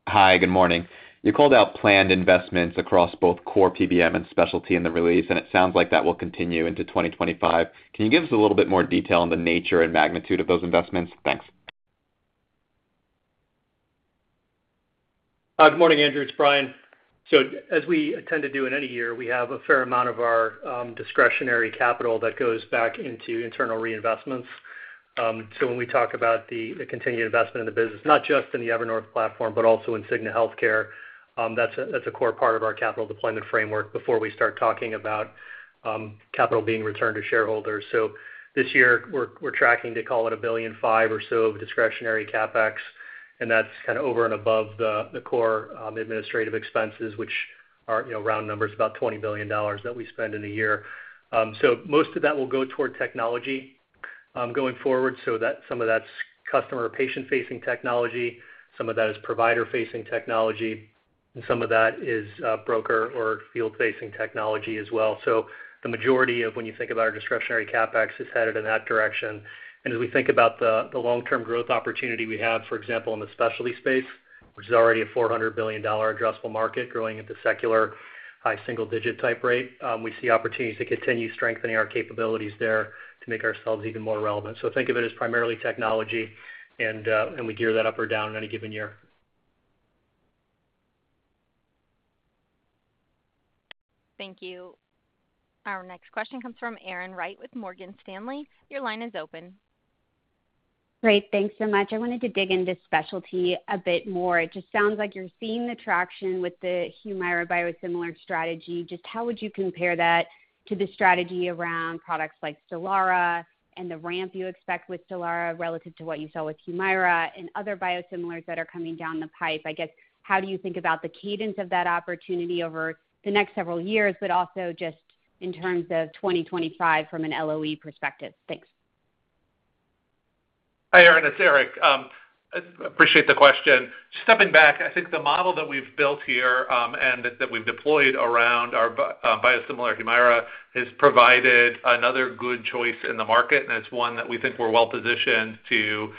Hi. Good morning. You called out planned investments across both core PBM and specialty in the release, and it sounds like that will continue into 2025. Can you give us a little bit more detail on the nature and magnitude of those investments? Thanks. Good morning, Andrew. It's Brian. So as we tend to do in any year, we have a fair amount of our discretionary capital that goes back into internal reinvestments. So when we talk about the continued investment in the business, not just in the Evernorth platform, but also in Cigna Healthcare, that's a core part of our capital deployment framework before we start talking about capital being returned to shareholders. So this year, we're tracking to call it $1.5 billion or so of discretionary CapEx. And that's kind of over and above the core administrative expenses, which are round numbers about $20 billion that we spend in a year. So most of that will go toward technology going forward. So some of that's customer or patient-facing technology. Some of that is provider-facing technology. And some of that is broker or field-facing technology as well. So the majority of when you think about our discretionary CapEx is headed in that direction. And as we think about the long-term growth opportunity we have, for example, in the specialty space, which is already a $400 billion addressable market growing at the secular high single-digit type rate, we see opportunities to continue strengthening our capabilities there to make ourselves even more relevant. So think of it as primarily technology, and we gear that up or down in any given year. Thank you. Our next question comes from Erin Wright with Morgan Stanley. Your line is open. Great. Thanks so much. I wanted to dig into specialty a bit more. It just sounds like you're seeing the traction with the Humira biosimilar strategy. Just how would you compare that to the strategy around products like Stelara and the ramp you expect with Stelara relative to what you saw with Humira and other biosimilars that are coming down the pipe? I guess, how do you think about the cadence of that opportunity over the next several years, but also just in terms of 2025 from an LOE perspective? Thanks. Hi, Erin. It's Eric. I appreciate the question. Stepping back, I think the model that we've built here and that we've deployed around our biosimilar Humira has provided another good choice in the market, and it's one that we think we're well-positioned to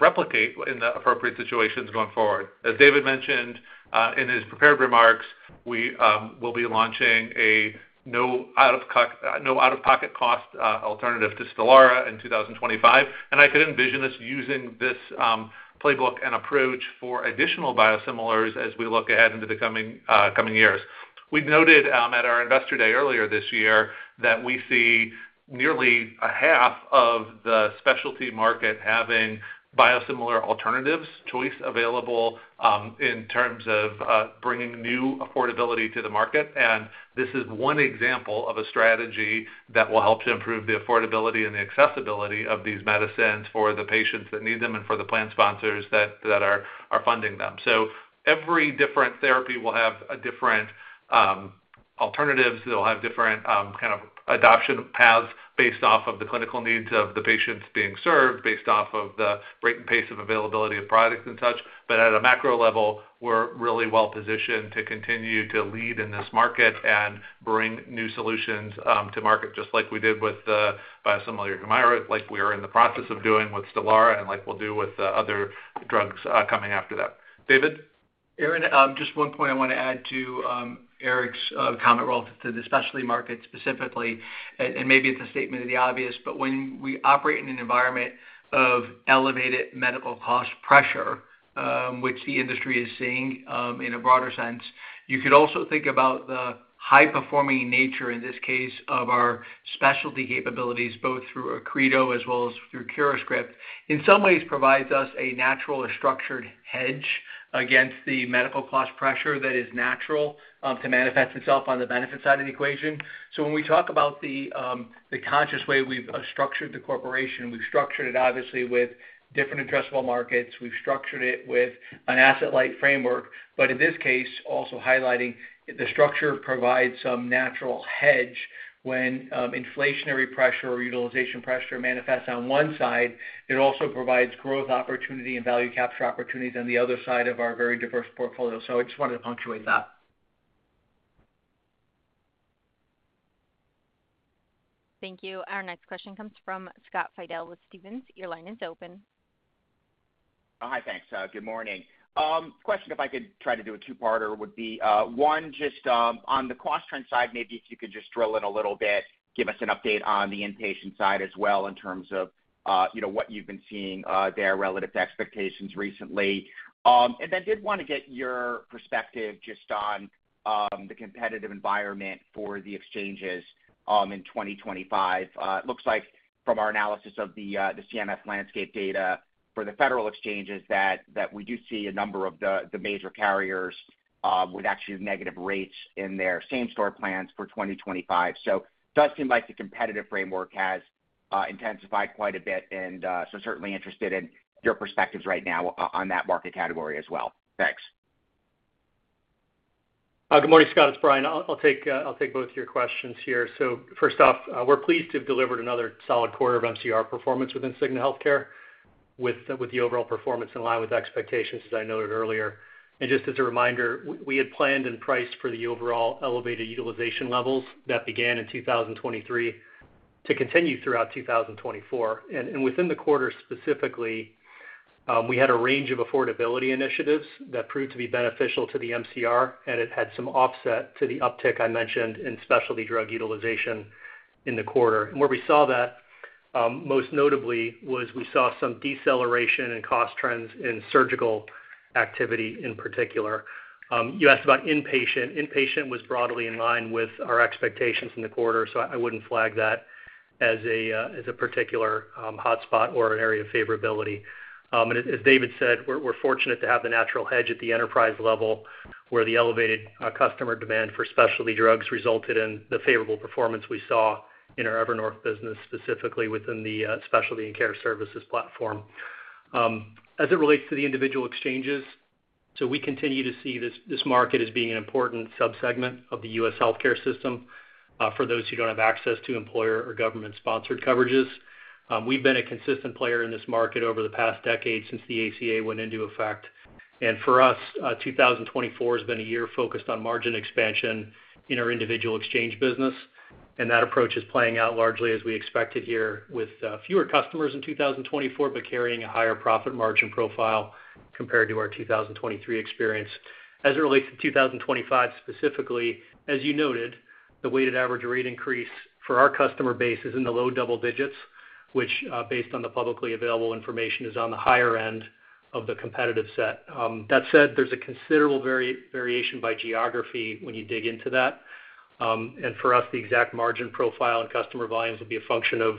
replicate in the appropriate situations going forward. As David mentioned in his prepared remarks, we will be launching a no out-of-pocket cost alternative to Stelara in 2025. And I could envision us using this playbook and approach for additional biosimilars as we look ahead into the coming years. We noted at our Investor Day earlier this year that we see nearly half of the specialty market having biosimilar alternatives choice available in terms of bringing new affordability to the market. And this is one example of a strategy that will help to improve the affordability and the accessibility of these medicines for the patients that need them and for the plan sponsors that are funding them. so every different therapy will have different alternatives. They'll have different kind of adoption paths based off of the clinical needs of the patients being served, based off of the rate and pace of availability of products and such. but at a macro level, we're really well-positioned to continue to lead in this market and bring new solutions to market just like we did with the biosimilar Humira, like we are in the process of doing with Stelara, and like we'll do with other drugs coming after that. David? Erin, just one point I want to add to Eric's comment relative to the specialty market specifically. And maybe it's a statement of the obvious, but when we operate in an environment of elevated medical cost pressure, which the industry is seeing in a broader sense, you could also think about the high-performing nature, in this case, of our specialty capabilities, both through Accredo as well as through CuraScript, in some ways provides us a natural or structured hedge against the medical cost pressure that is natural to manifest itself on the benefit side of the equation. So when we talk about the conscious way we've structured the corporation, we've structured it obviously with different addressable markets. We've structured it with an asset-light framework. But in this case, also highlighting the structure provides some natural hedge when inflationary pressure or utilization pressure manifests on one side. It also provides growth opportunity and value capture opportunities on the other side of our very diverse portfolio. So I just wanted to punctuate that. Thank you. Our next question comes from Scott Fidel with Stephens. Your line is open. Hi, thanks. Good morning. Question, if I could try to do a two-parter, would be one, just on the cost trend side, maybe if you could just drill in a little bit, give us an update on the inpatient side as well in terms of what you've been seeing there relative to expectations recently. And then did want to get your perspective just on the competitive environment for the exchanges in 2025. It looks like from our analysis of the CMS landscape data for the federal exchanges that we do see a number of the major carriers with actually negative rates in their same-store plans for 2025. So it does seem like the competitive framework has intensified quite a bit. And so certainly interested in your perspectives right now on that market category as well. Thanks. Good morning, Scott. It's Brian. I'll take both of your questions here. So first off, we're pleased to have delivered another solid quarter of MCR performance within Cigna Healthcare. With the overall performance in line with expectations, as I noted earlier. And just as a reminder, we had planned and priced for the overall elevated utilization levels that began in 2023 to continue throughout 2024. And within the quarter specifically, we had a range of affordability initiatives that proved to be beneficial to the MCR, and it had some offset to the uptick I mentioned in specialty drug utilization in the quarter. And where we saw that most notably was we saw some deceleration in cost trends in surgical activity in particular. You asked about inpatient. Inpatient was broadly in line with our expectations in the quarter, so I wouldn't flag that as a particular hotspot or an area of favorability. And as David said, we're fortunate to have the natural hedge at the enterprise level where the elevated customer demand for specialty drugs resulted in the favorable performance we saw in our Evernorth business, specifically within the Specialty and Care Services platform. As it relates to the individual exchanges, so we continue to see this market as being an important subsegment of the U.S. healthcare system for those who don't have access to employer or government-sponsored coverages. We've been a consistent player in this market over the past decade since the ACA went into effect. And for us, 2024 has been a year focused on margin expansion in our individual exchange business. That approach is playing out largely as we expected here with fewer customers in 2024, but carrying a higher profit margin profile compared to our 2023 experience. As it relates to 2025 specifically, as you noted, the weighted average rate increase for our customer base is in the low double digits, which based on the publicly available information is on the higher end of the competitive set. That said, there's a considerable variation by geography when you dig into that. And for us, the exact margin profile and customer volumes will be a function of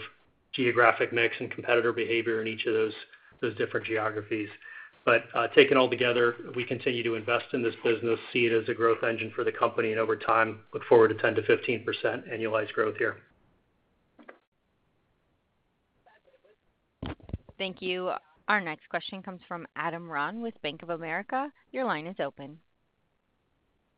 geographic mix and competitor behavior in each of those different geographies. But taken all together, we continue to invest in this business, see it as a growth engine for the company, and over time, look forward to 10%-15% annualized growth here. Thank you. Our next question comes from Adam Ron with Bank of America. Your line is open.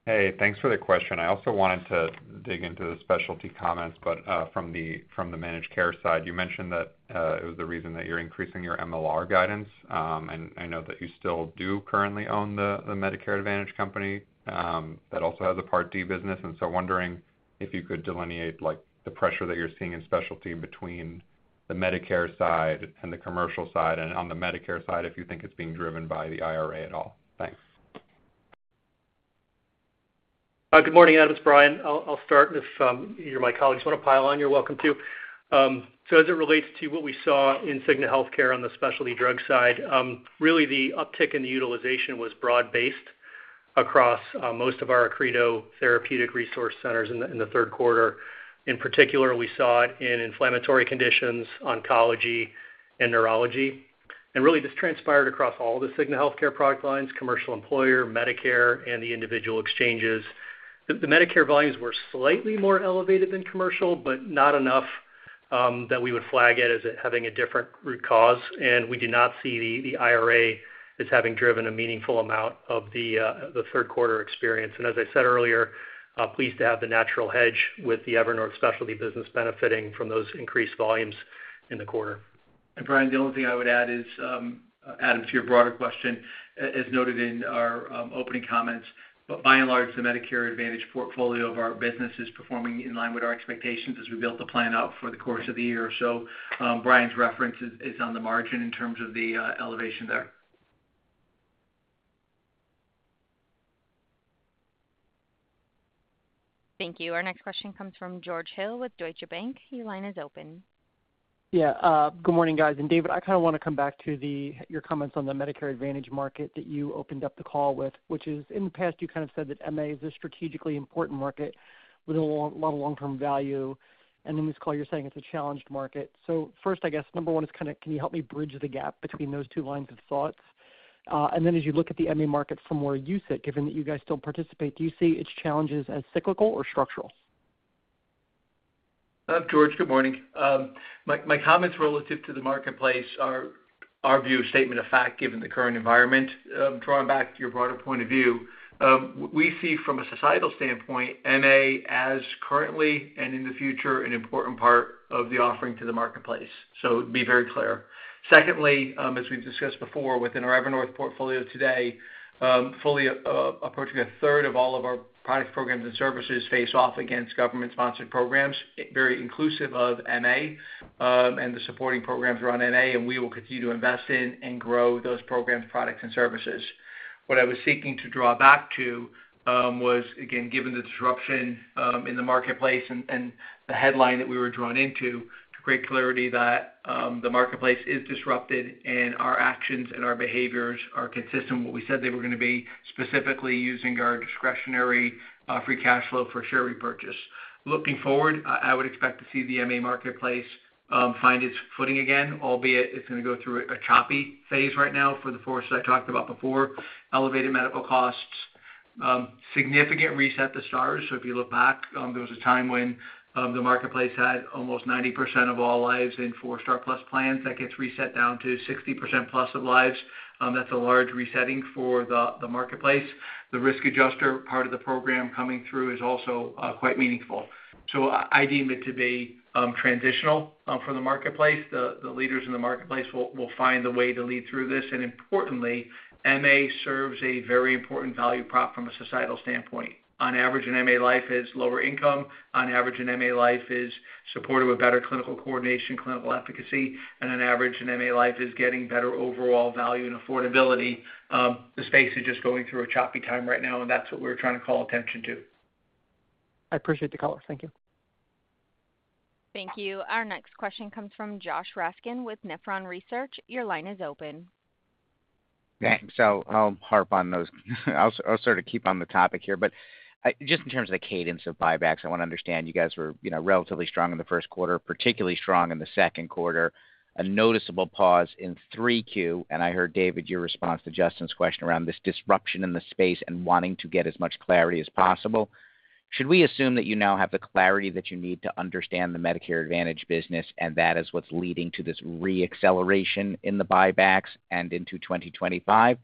Hey, thanks for the question. I also wanted to dig into the specialty comments, but from the managed care side, you mentioned that it was the reason that you're increasing your MLR guidance. And I know that you still do currently own the Medicare Advantage company that also has a Part D business. And so wondering if you could delineate the pressure that you're seeing in specialty between the Medicare side and the commercial side, and on the Medicare side, if you think it's being driven by the IRA at all. Thanks. Good morning, Adam. It's Brian. I'll start if any of my colleagues want to pile on, you're welcome to so as it relates to what we saw in Cigna Healthcare on the specialty drug side, really the uptick in the utilization was broad-based across most of our Accredo Therapeutic Resource Centers in the third quarter. In particular, we saw it in inflammatory conditions, oncology, and neurology. And really, this transpired across all the Cigna Healthcare product lines, commercial employer, Medicare, and the individual exchanges. The Medicare volumes were slightly more elevated than commercial, but not enough that we would flag it as having a different root cause. And we do not see the IRA as having driven a meaningful amount of the third quarter experience. And as I said earlier, pleased to have the natural hedge with the Evernorth specialty business benefiting from those increased volumes in the quarter. Brian, the only thing I would add is, Adam, to your broader question, as noted in our opening comments, but by and large, the Medicare Advantage portfolio of our business is performing in line with our expectations as we built the plan out for the course of the year. So Brian's reference is on the margin in terms of the elevation there. Thank you. Our next question comes from George Hill with Deutsche Bank. Your line is open. Yeah. Good morning, guys. David, I kind of want to come back to your comments on the Medicare Advantage market that you opened up the call with, which is in the past, you kind of said that MA is a strategically important market with a lot of long-term value. And in this call, you're saying it's a challenged market. So first, I guess, number one is kind of can you help me bridge the gap between those two lines of thought? And then as you look at the MA market from where you sit, given that you guys still participate, do you see its challenges as cyclical or structural? George, good morning. My comments relative to the marketplace are our view, statement of fact, given the current environment. Drawing back to your broader point of view, we see from a societal standpoint, MA as currently and in the future, an important part of the offering to the marketplace. So it'd be very clear. Secondly, as we've discussed before within our Evernorth portfolio today, fully approaching a third of all of our product programs and services face off against government-sponsored programs, very inclusive of MA and the supporting programs around MA, and we will continue to invest in and grow those programs, products, and services. What I was seeking to draw back to was, again, given the disruption in the marketplace and the headline that we were drawn into, to create clarity that the marketplace is disrupted and our actions and our behaviors are consistent with what we said they were going to be, specifically using our discretionary free cash flow for share repurchase. Looking forward, I would expect to see the MA marketplace find its footing again, albeit it's going to go through a choppy phase right now for the forces I talked about before. Elevated medical costs, significant reset of the Stars. So if you look back, there was a time when the marketplace had almost 90% of all lives in four-star plus plans. That gets reset down to 60% plus of lives. That's a large resetting for the marketplace. The risk adjuster part of the program coming through is also quite meaningful. So I deem it to be transitional for the marketplace. The leaders in the marketplace will find a way to lead through this. And importantly, MA serves a very important value prop from a societal standpoint. On average, an MA life is lower income. On average, an MA life is supported with better clinical coordination, clinical efficacy. And on average, an MA life is getting better overall value and affordability. The space is just going through a choppy time right now, and that's what we're trying to call attention to. I appreciate the color. Thank you. Thank you. Our next question comes from Josh Raskin with Nephron Research. Your line is open. Thanks. I'll harp on those. I'll sort of keep on the topic here. But just in terms of the cadence of buybacks, I want to understand you guys were relatively strong in the first quarter, particularly strong in the second quarter, a noticeable pause in 3Q. And I heard, David, your response to Justin's question around this disruption in the space and wanting to get as much clarity as possible. Should we assume that you now have the clarity that you need to understand the Medicare Advantage business, and that is what's leading to this re-acceleration in the buybacks and into 2025? And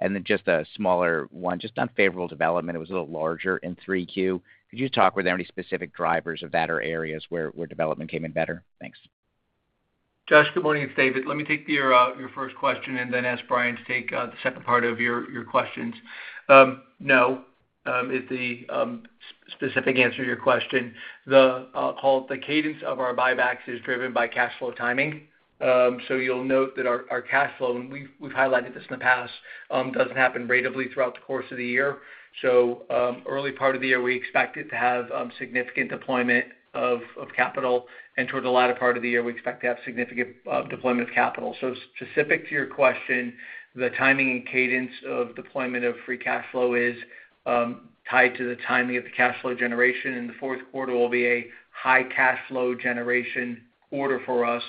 then just a smaller one, just unfavorable development. It was a little larger in 3Q. Could you talk with any specific drivers of that or areas where development came in better? Thanks. Josh, good morning. It's David. Let me take your first question and then ask Brian to take the second part of your questions. No is the specific answer to your question. The cadence of our buybacks is driven by cash flow timing. So you'll note that our cash flow, and we've highlighted this in the past, doesn't happen evenly throughout the course of the year. Early part of the year, we expect it to have significant deployment of capital. Towards the latter part of the year, we expect to have significant deployment of capital. Specific to your question, the timing and cadence of deployment of free cash flow is tied to the timing of the cash flow generation. The fourth quarter will be a high cash flow generation order for us.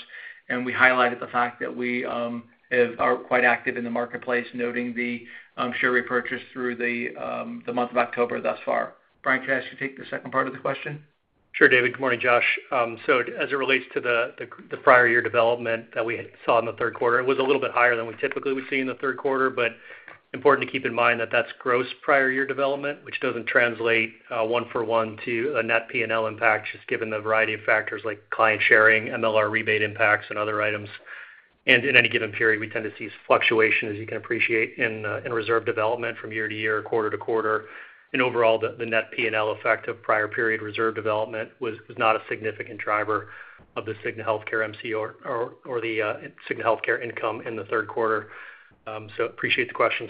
We highlighted the fact that we are quite active in the marketplace, noting the share repurchase through the month of October thus far. Brian, could I ask you to take the second part of the question? Sure, David. Good morning, Josh. So as it relates to the prior year development that we saw in the third quarter, it was a little bit higher than we typically would see in the third quarter, but important to keep in mind that that's gross prior year development, which doesn't translate one for one to a net P&L impact, just given the variety of factors like client sharing, MLR rebate impacts, and other items. In any given period, we tend to see fluctuation, as you can appreciate, in reserve development from year-to-year, quarter-to-quarter. Overall, the net P&L effect of prior period reserve development was not a significant driver of the Cigna Healthcare MCR or the Cigna Healthcare income in the third quarter. So appreciate the questions.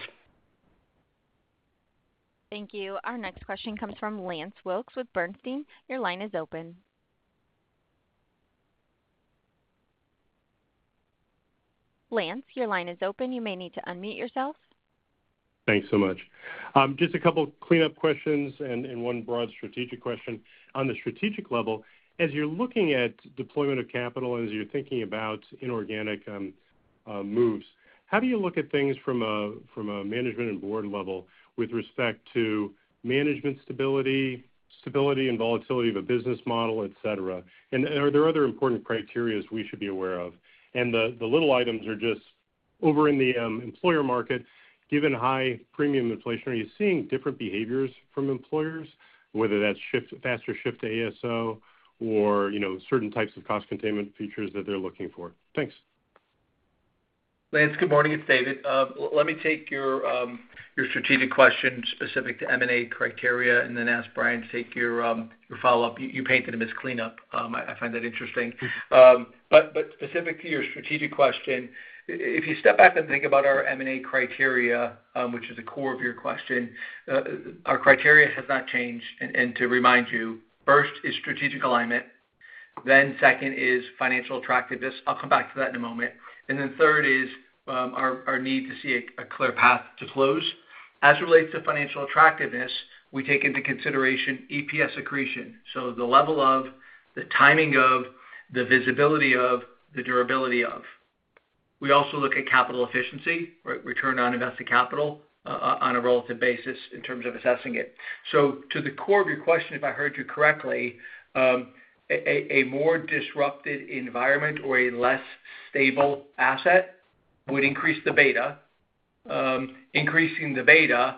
Thank you. Our next question comes from Lance Wilkes with Bernstein. Your line is open. Lance, your line is open. You may need to unmute yourself. Thanks so much. Just a couple of cleanup questions and one broad strategic question. On the strategic level, as you're looking at deployment of capital and as you're thinking about inorganic moves, how do you look at things from a management and board level with respect to management stability, stability, and volatility of a business model, etc.? And are there other important criteria we should be aware of? And the little items are just over in the employer market, given high premium inflation, are you seeing different behaviors from employers, whether that's faster shift to ASO or certain types of cost containment features that they're looking for? Thanks. Lance, good morning. It's David. Let me take your strategic question specific to M&A criteria and then ask Brian to take your follow-up. You painted him as cleanup. I find that interesting. But specific to your strategic question, if you step back and think about our M&A criteria, which is the core of your question, our criteria has not changed. And to remind you, first is strategic alignment. Then second is financial attractiveness. I'll come back to that in a moment. And then third is our need to see a clear path to close. As it relates to financial attractiveness, we take into consideration EPS accretion. So the level of, the timing of, the visibility of, the durability of. We also look at capital efficiency, return on invested capital on a relative basis in terms of assessing it. So to the core of your question, if I heard you correctly, a more disrupted environment or a less stable asset would increase the beta. Increasing the beta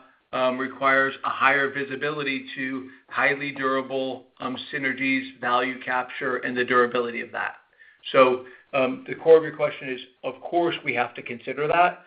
requires a higher visibility to highly durable synergies, value capture, and the durability of that. So the core of your question is, of course, we have to consider that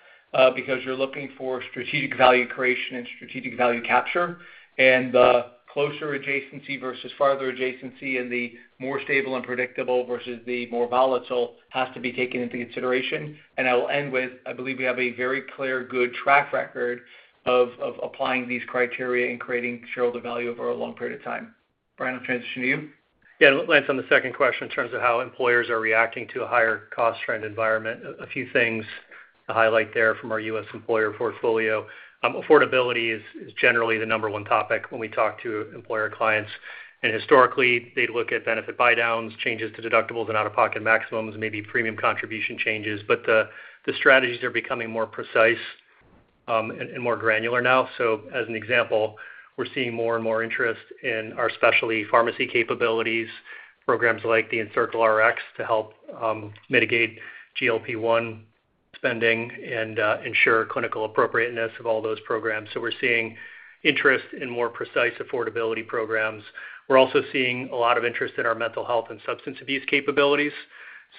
because you're looking for strategic value creation and strategic value capture. And the closer adjacency versus farther adjacency and the more stable and predictable versus the more volatile has to be taken into consideration. I will end with, I believe we have a very clear good track record of applying these criteria and creating shareholder value over a long period of time. Brian, I'll transition to you. Yeah. Lance, on the second question in terms of how employers are reacting to a higher cost trend environment, a few things to highlight there from our U.S. employer portfolio. Affordability is generally the number one topic when we talk to employer clients. And historically, they'd look at benefit buy-downs, changes to deductibles and out-of-pocket maximums, maybe premium contribution changes. But the strategies are becoming more precise and more granular now. So as an example, we're seeing more and more interest in our specialty pharmacy capabilities, programs like the EncircleRx to help mitigate GLP-1 spending and ensure clinical appropriateness of all those programs. So we're seeing interest in more precise affordability programs. We're also seeing a lot of interest in our mental health and substance abuse capabilities.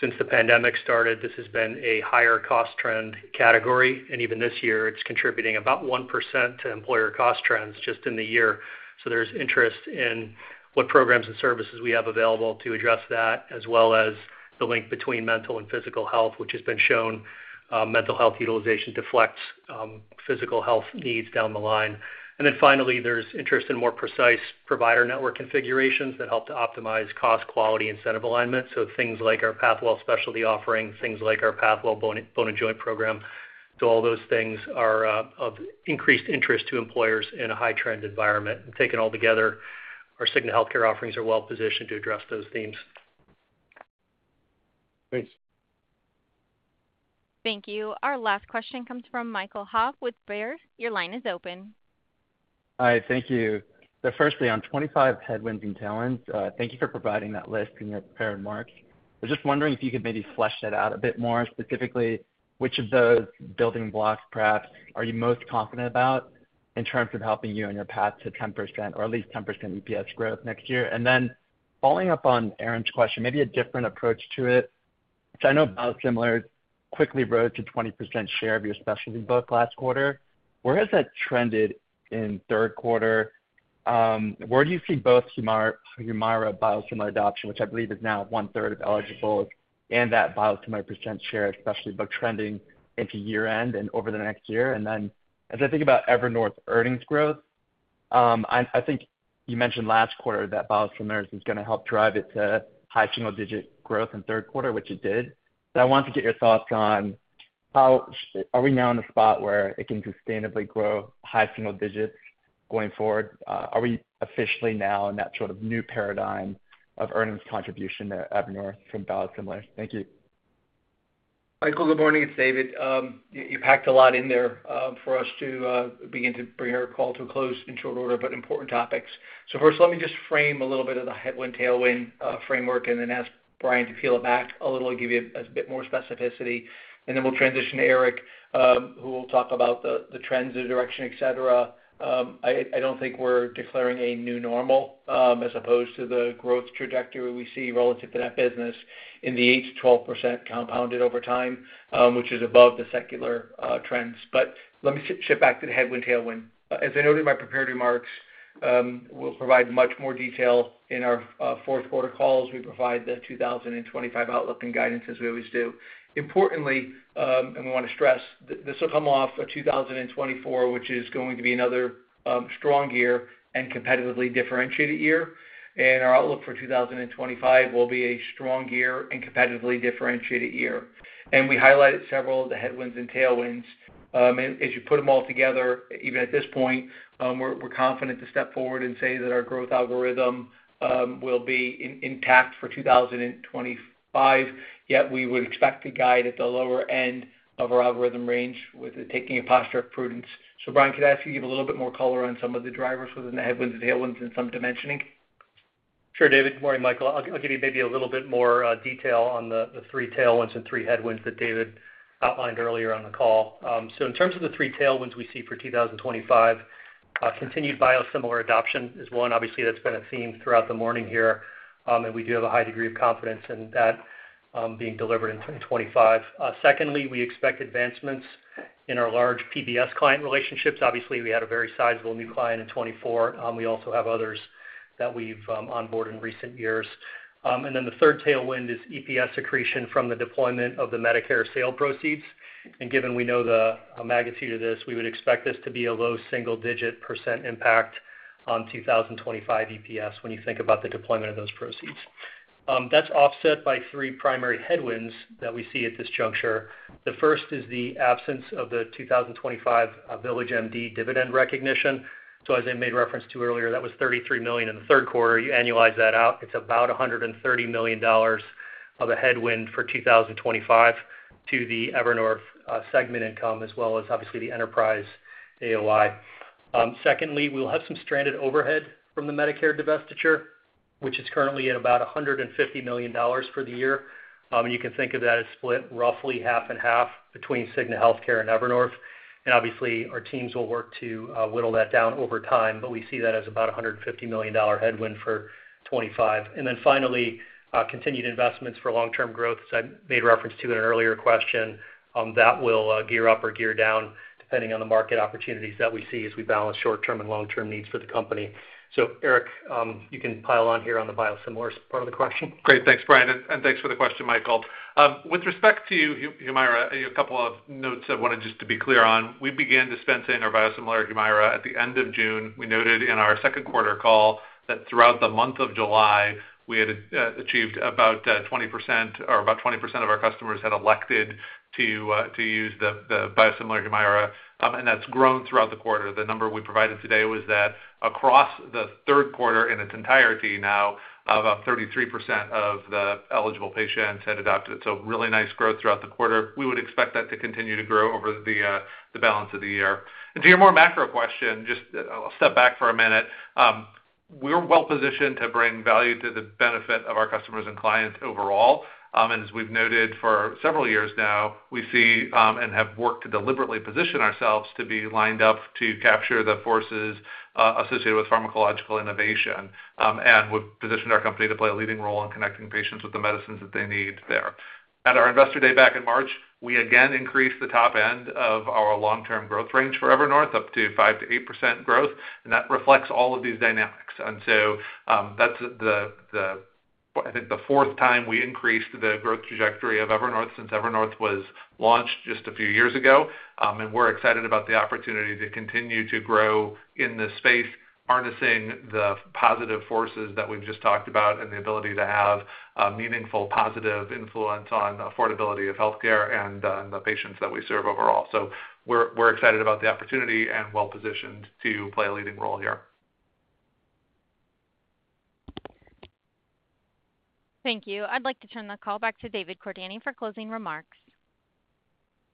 Since the pandemic started, this has been a higher cost trend category, and even this year, it's contributing about 1% to employer cost trends just in the year. So there's interest in what programs and services we have available to address that, as well as the link between mental and physical health, which has been shown mental health utilization deflects physical health needs down the line, and then finally, there's interest in more precise provider network configurations that help to optimize cost, quality, incentive alignment, so things like our Pathwell Specialty offering, things like our Pathwell Bone & Joint program, so all those things are of increased interest to employers in a high-trend environment, and taken all together, our Cigna Healthcare offerings are well-positioned to address those themes. Thanks. Thank you. Our last question comes from Michael Ha with Baird. Your line is open. Hi. Thank you. So firstly, on 2025 headwinds and tailwinds, thank you for providing that list and your prepared remarks. I was just wondering if you could maybe flesh that out a bit more, specifically which of those building blocks perhaps are you most confident about in terms of helping you on your path to 10% or at least 10% EPS growth next year. And then following up on Erin's question, maybe a different approach to it. So I know biosimilars quickly rose to 20% share of your specialty book last quarter. Where has that trended in third quarter? Where do you see both Humira biosimilar adoption, which I believe is now one-third of eligible, and that biosimilar percent share of specialty book trending into year-end and over the next year? And then as I think about Evernorth earnings growth, I think you mentioned last quarter that biosimilars is going to help drive it to high single-digit growth in third quarter, which it did. So I wanted to get your thoughts on how are we now in a spot where it can sustainably grow high single digits going forward? Are we officially now in that sort of new paradigm of earnings contribution to Evernorth from biosimilars? Thank you. Michael, good morning. It's David. You packed a lot in there for us to begin to bring our call to a close in short order, but important topics. So first, let me just frame a little bit of the headwind, tailwind framework and then ask Brian to peel it back a little, give you a bit more specificity. And then we'll transition to Eric, who will talk about the trends, the direction, etc. I don't think we're declaring a new normal as opposed to the growth trajectory we see relative to that business in the 8%-12% compounded over time, which is above the secular trends. But let me shift back to the headwind, tailwind. As I noted in my prepared remarks, we'll provide much more detail in our fourth quarter calls. We provide the 2025 outlook and guidance as we always do. Importantly, and we want to stress, this will come off of 2024, which is going to be another strong year and competitively differentiated year. And our outlook for 2025 will be a strong year and competitively differentiated year. And we highlighted several of the headwinds and tailwinds. As you put them all together, even at this point, we're confident to step forward and say that our growth algorithm will be intact for 2025, yet we would expect to guide at the lower end of our algorithm range with taking a posture of prudence. So Brian, could I ask you to give a little bit more color on some of the drivers within the headwinds and tailwinds and some dimensioning? Sure, David. Good morning, Michael. I'll give you maybe a little bit more detail on the three tailwinds and three headwinds that David outlined earlier on the call. So in terms of the three tailwinds we see for 2025, continued biosimilar adoption is one. Obviously, that's been a theme throughout the morning here. And we do have a high degree of confidence in that being delivered in 2025. Secondly, we expect advancements in our large PBM client relationships. Obviously, we had a very sizable new client in 2024. We also have others that we've onboarded in recent years. And then the third tailwind is EPS accretion from the deployment of the Medicare sale proceeds. And given we know the magnitude of this, we would expect this to be a low single-digit percentage impact on 2025 EPS when you think about the deployment of those proceeds. That's offset by three primary headwinds that we see at this juncture. The first is the absence of the 2025 VillageMD dividend recognition. So as I made reference to earlier, that was $33 million in the third quarter. You annualize that out. It's about $130 million of a headwind for 2025 to the Evernorth segment income, as well as obviously the enterprise AOI. Secondly, we'll have some stranded overhead from the Medicare divestiture, which is currently at about $150 million for the year. You can think of that as split roughly half and half between Cigna Healthcare and Evernorth. Obviously, our teams will work to whittle that down over time, but we see that as about a $150 million headwind for 2025. Then finally, continued investments for long-term growth, as I made reference to in an earlier question, that will gear up or gear down depending on the market opportunities that we see as we balance short-term and long-term needs for the company. So Eric, you can pile on here on the Biosimilars part of the question. Great. Thanks, Brian. And thanks for the question, Michael. With respect to Humira, a couple of notes I wanted just to be clear on. We began dispensing our biosimilar Humira at the end of June. We noted in our second quarter call that throughout the month of July, we had achieved about 20% of our customers had elected to use the biosimilar Humira. And that's grown throughout the quarter. The number we provided today was that across the third quarter in its entirety now, about 33% of the eligible patients had adopted it. So really nice growth throughout the quarter. We would expect that to continue to grow over the balance of the year. And to your more macro question, just a step back for a minute. We're well-positioned to bring value to the benefit of our customers and clients overall. And as we've noted for several years now, we see and have worked to deliberately position ourselves to be lined up to capture the forces associated with pharmacological innovation. And we've positioned our company to play a leading role in connecting patients with the medicines that they need there. At our Investor Day back in March, we again increased the top end of our long-term growth range for Evernorth up to 5%-8% growth. And that reflects all of these dynamics. And so that's the, I think, the fourth time we increased the growth trajectory of Evernorth since Evernorth was launched just a few years ago. And we're excited about the opportunity to continue to grow in this space, harnessing the positive forces that we've just talked about and the ability to have meaningful positive influence on the affordability of healthcare and the patients that we serve overall. So we're excited about the opportunity and well-positioned to play a leading role here. Thank you. I'd like to turn the call back to David Cordani for closing remarks.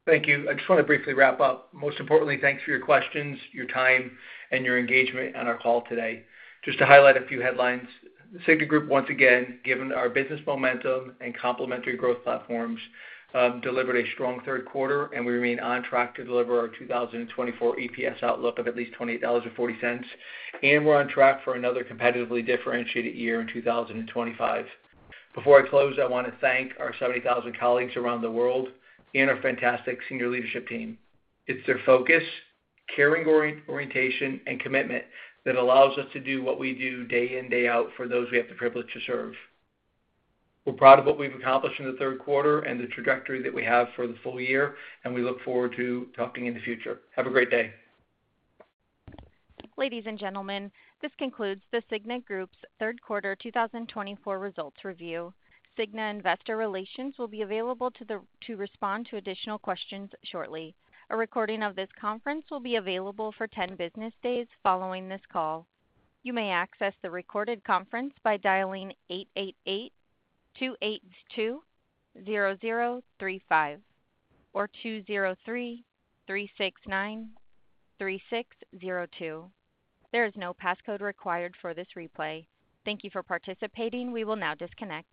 Thank you. I just want to briefly wrap up. Most importantly, thanks for your questions, your time, and your engagement on our call today. Just to highlight a few headlines. The Cigna Group, once again, given our business momentum and complementary growth platforms, delivered a strong third quarter, and we remain on track to deliver our 2024 EPS outlook of at least $28.40, and we're on track for another competitively differentiated year in 2025. Before I close, I want to thank our 70,000 colleagues around the world and our fantastic senior leadership team. It's their focus, caring orientation, and commitment that allows us to do what we do day in, day out for those we have the privilege to serve. We're proud of what we've accomplished in the third quarter and the trajectory that we have for the full year, and we look forward to talking in the future. Have a great day. Ladies and gentlemen, this concludes the Cigna Group's Third Quarter 2024 results review. Cigna investor relations will be available to respond to additional questions shortly. A recording of this conference will be available for 10 business days following this call. You may access the recorded conference by dialing 888-282-0035 or 203-369-3602. There is no passcode required for this replay. Thank you for participating. We will now disconnect.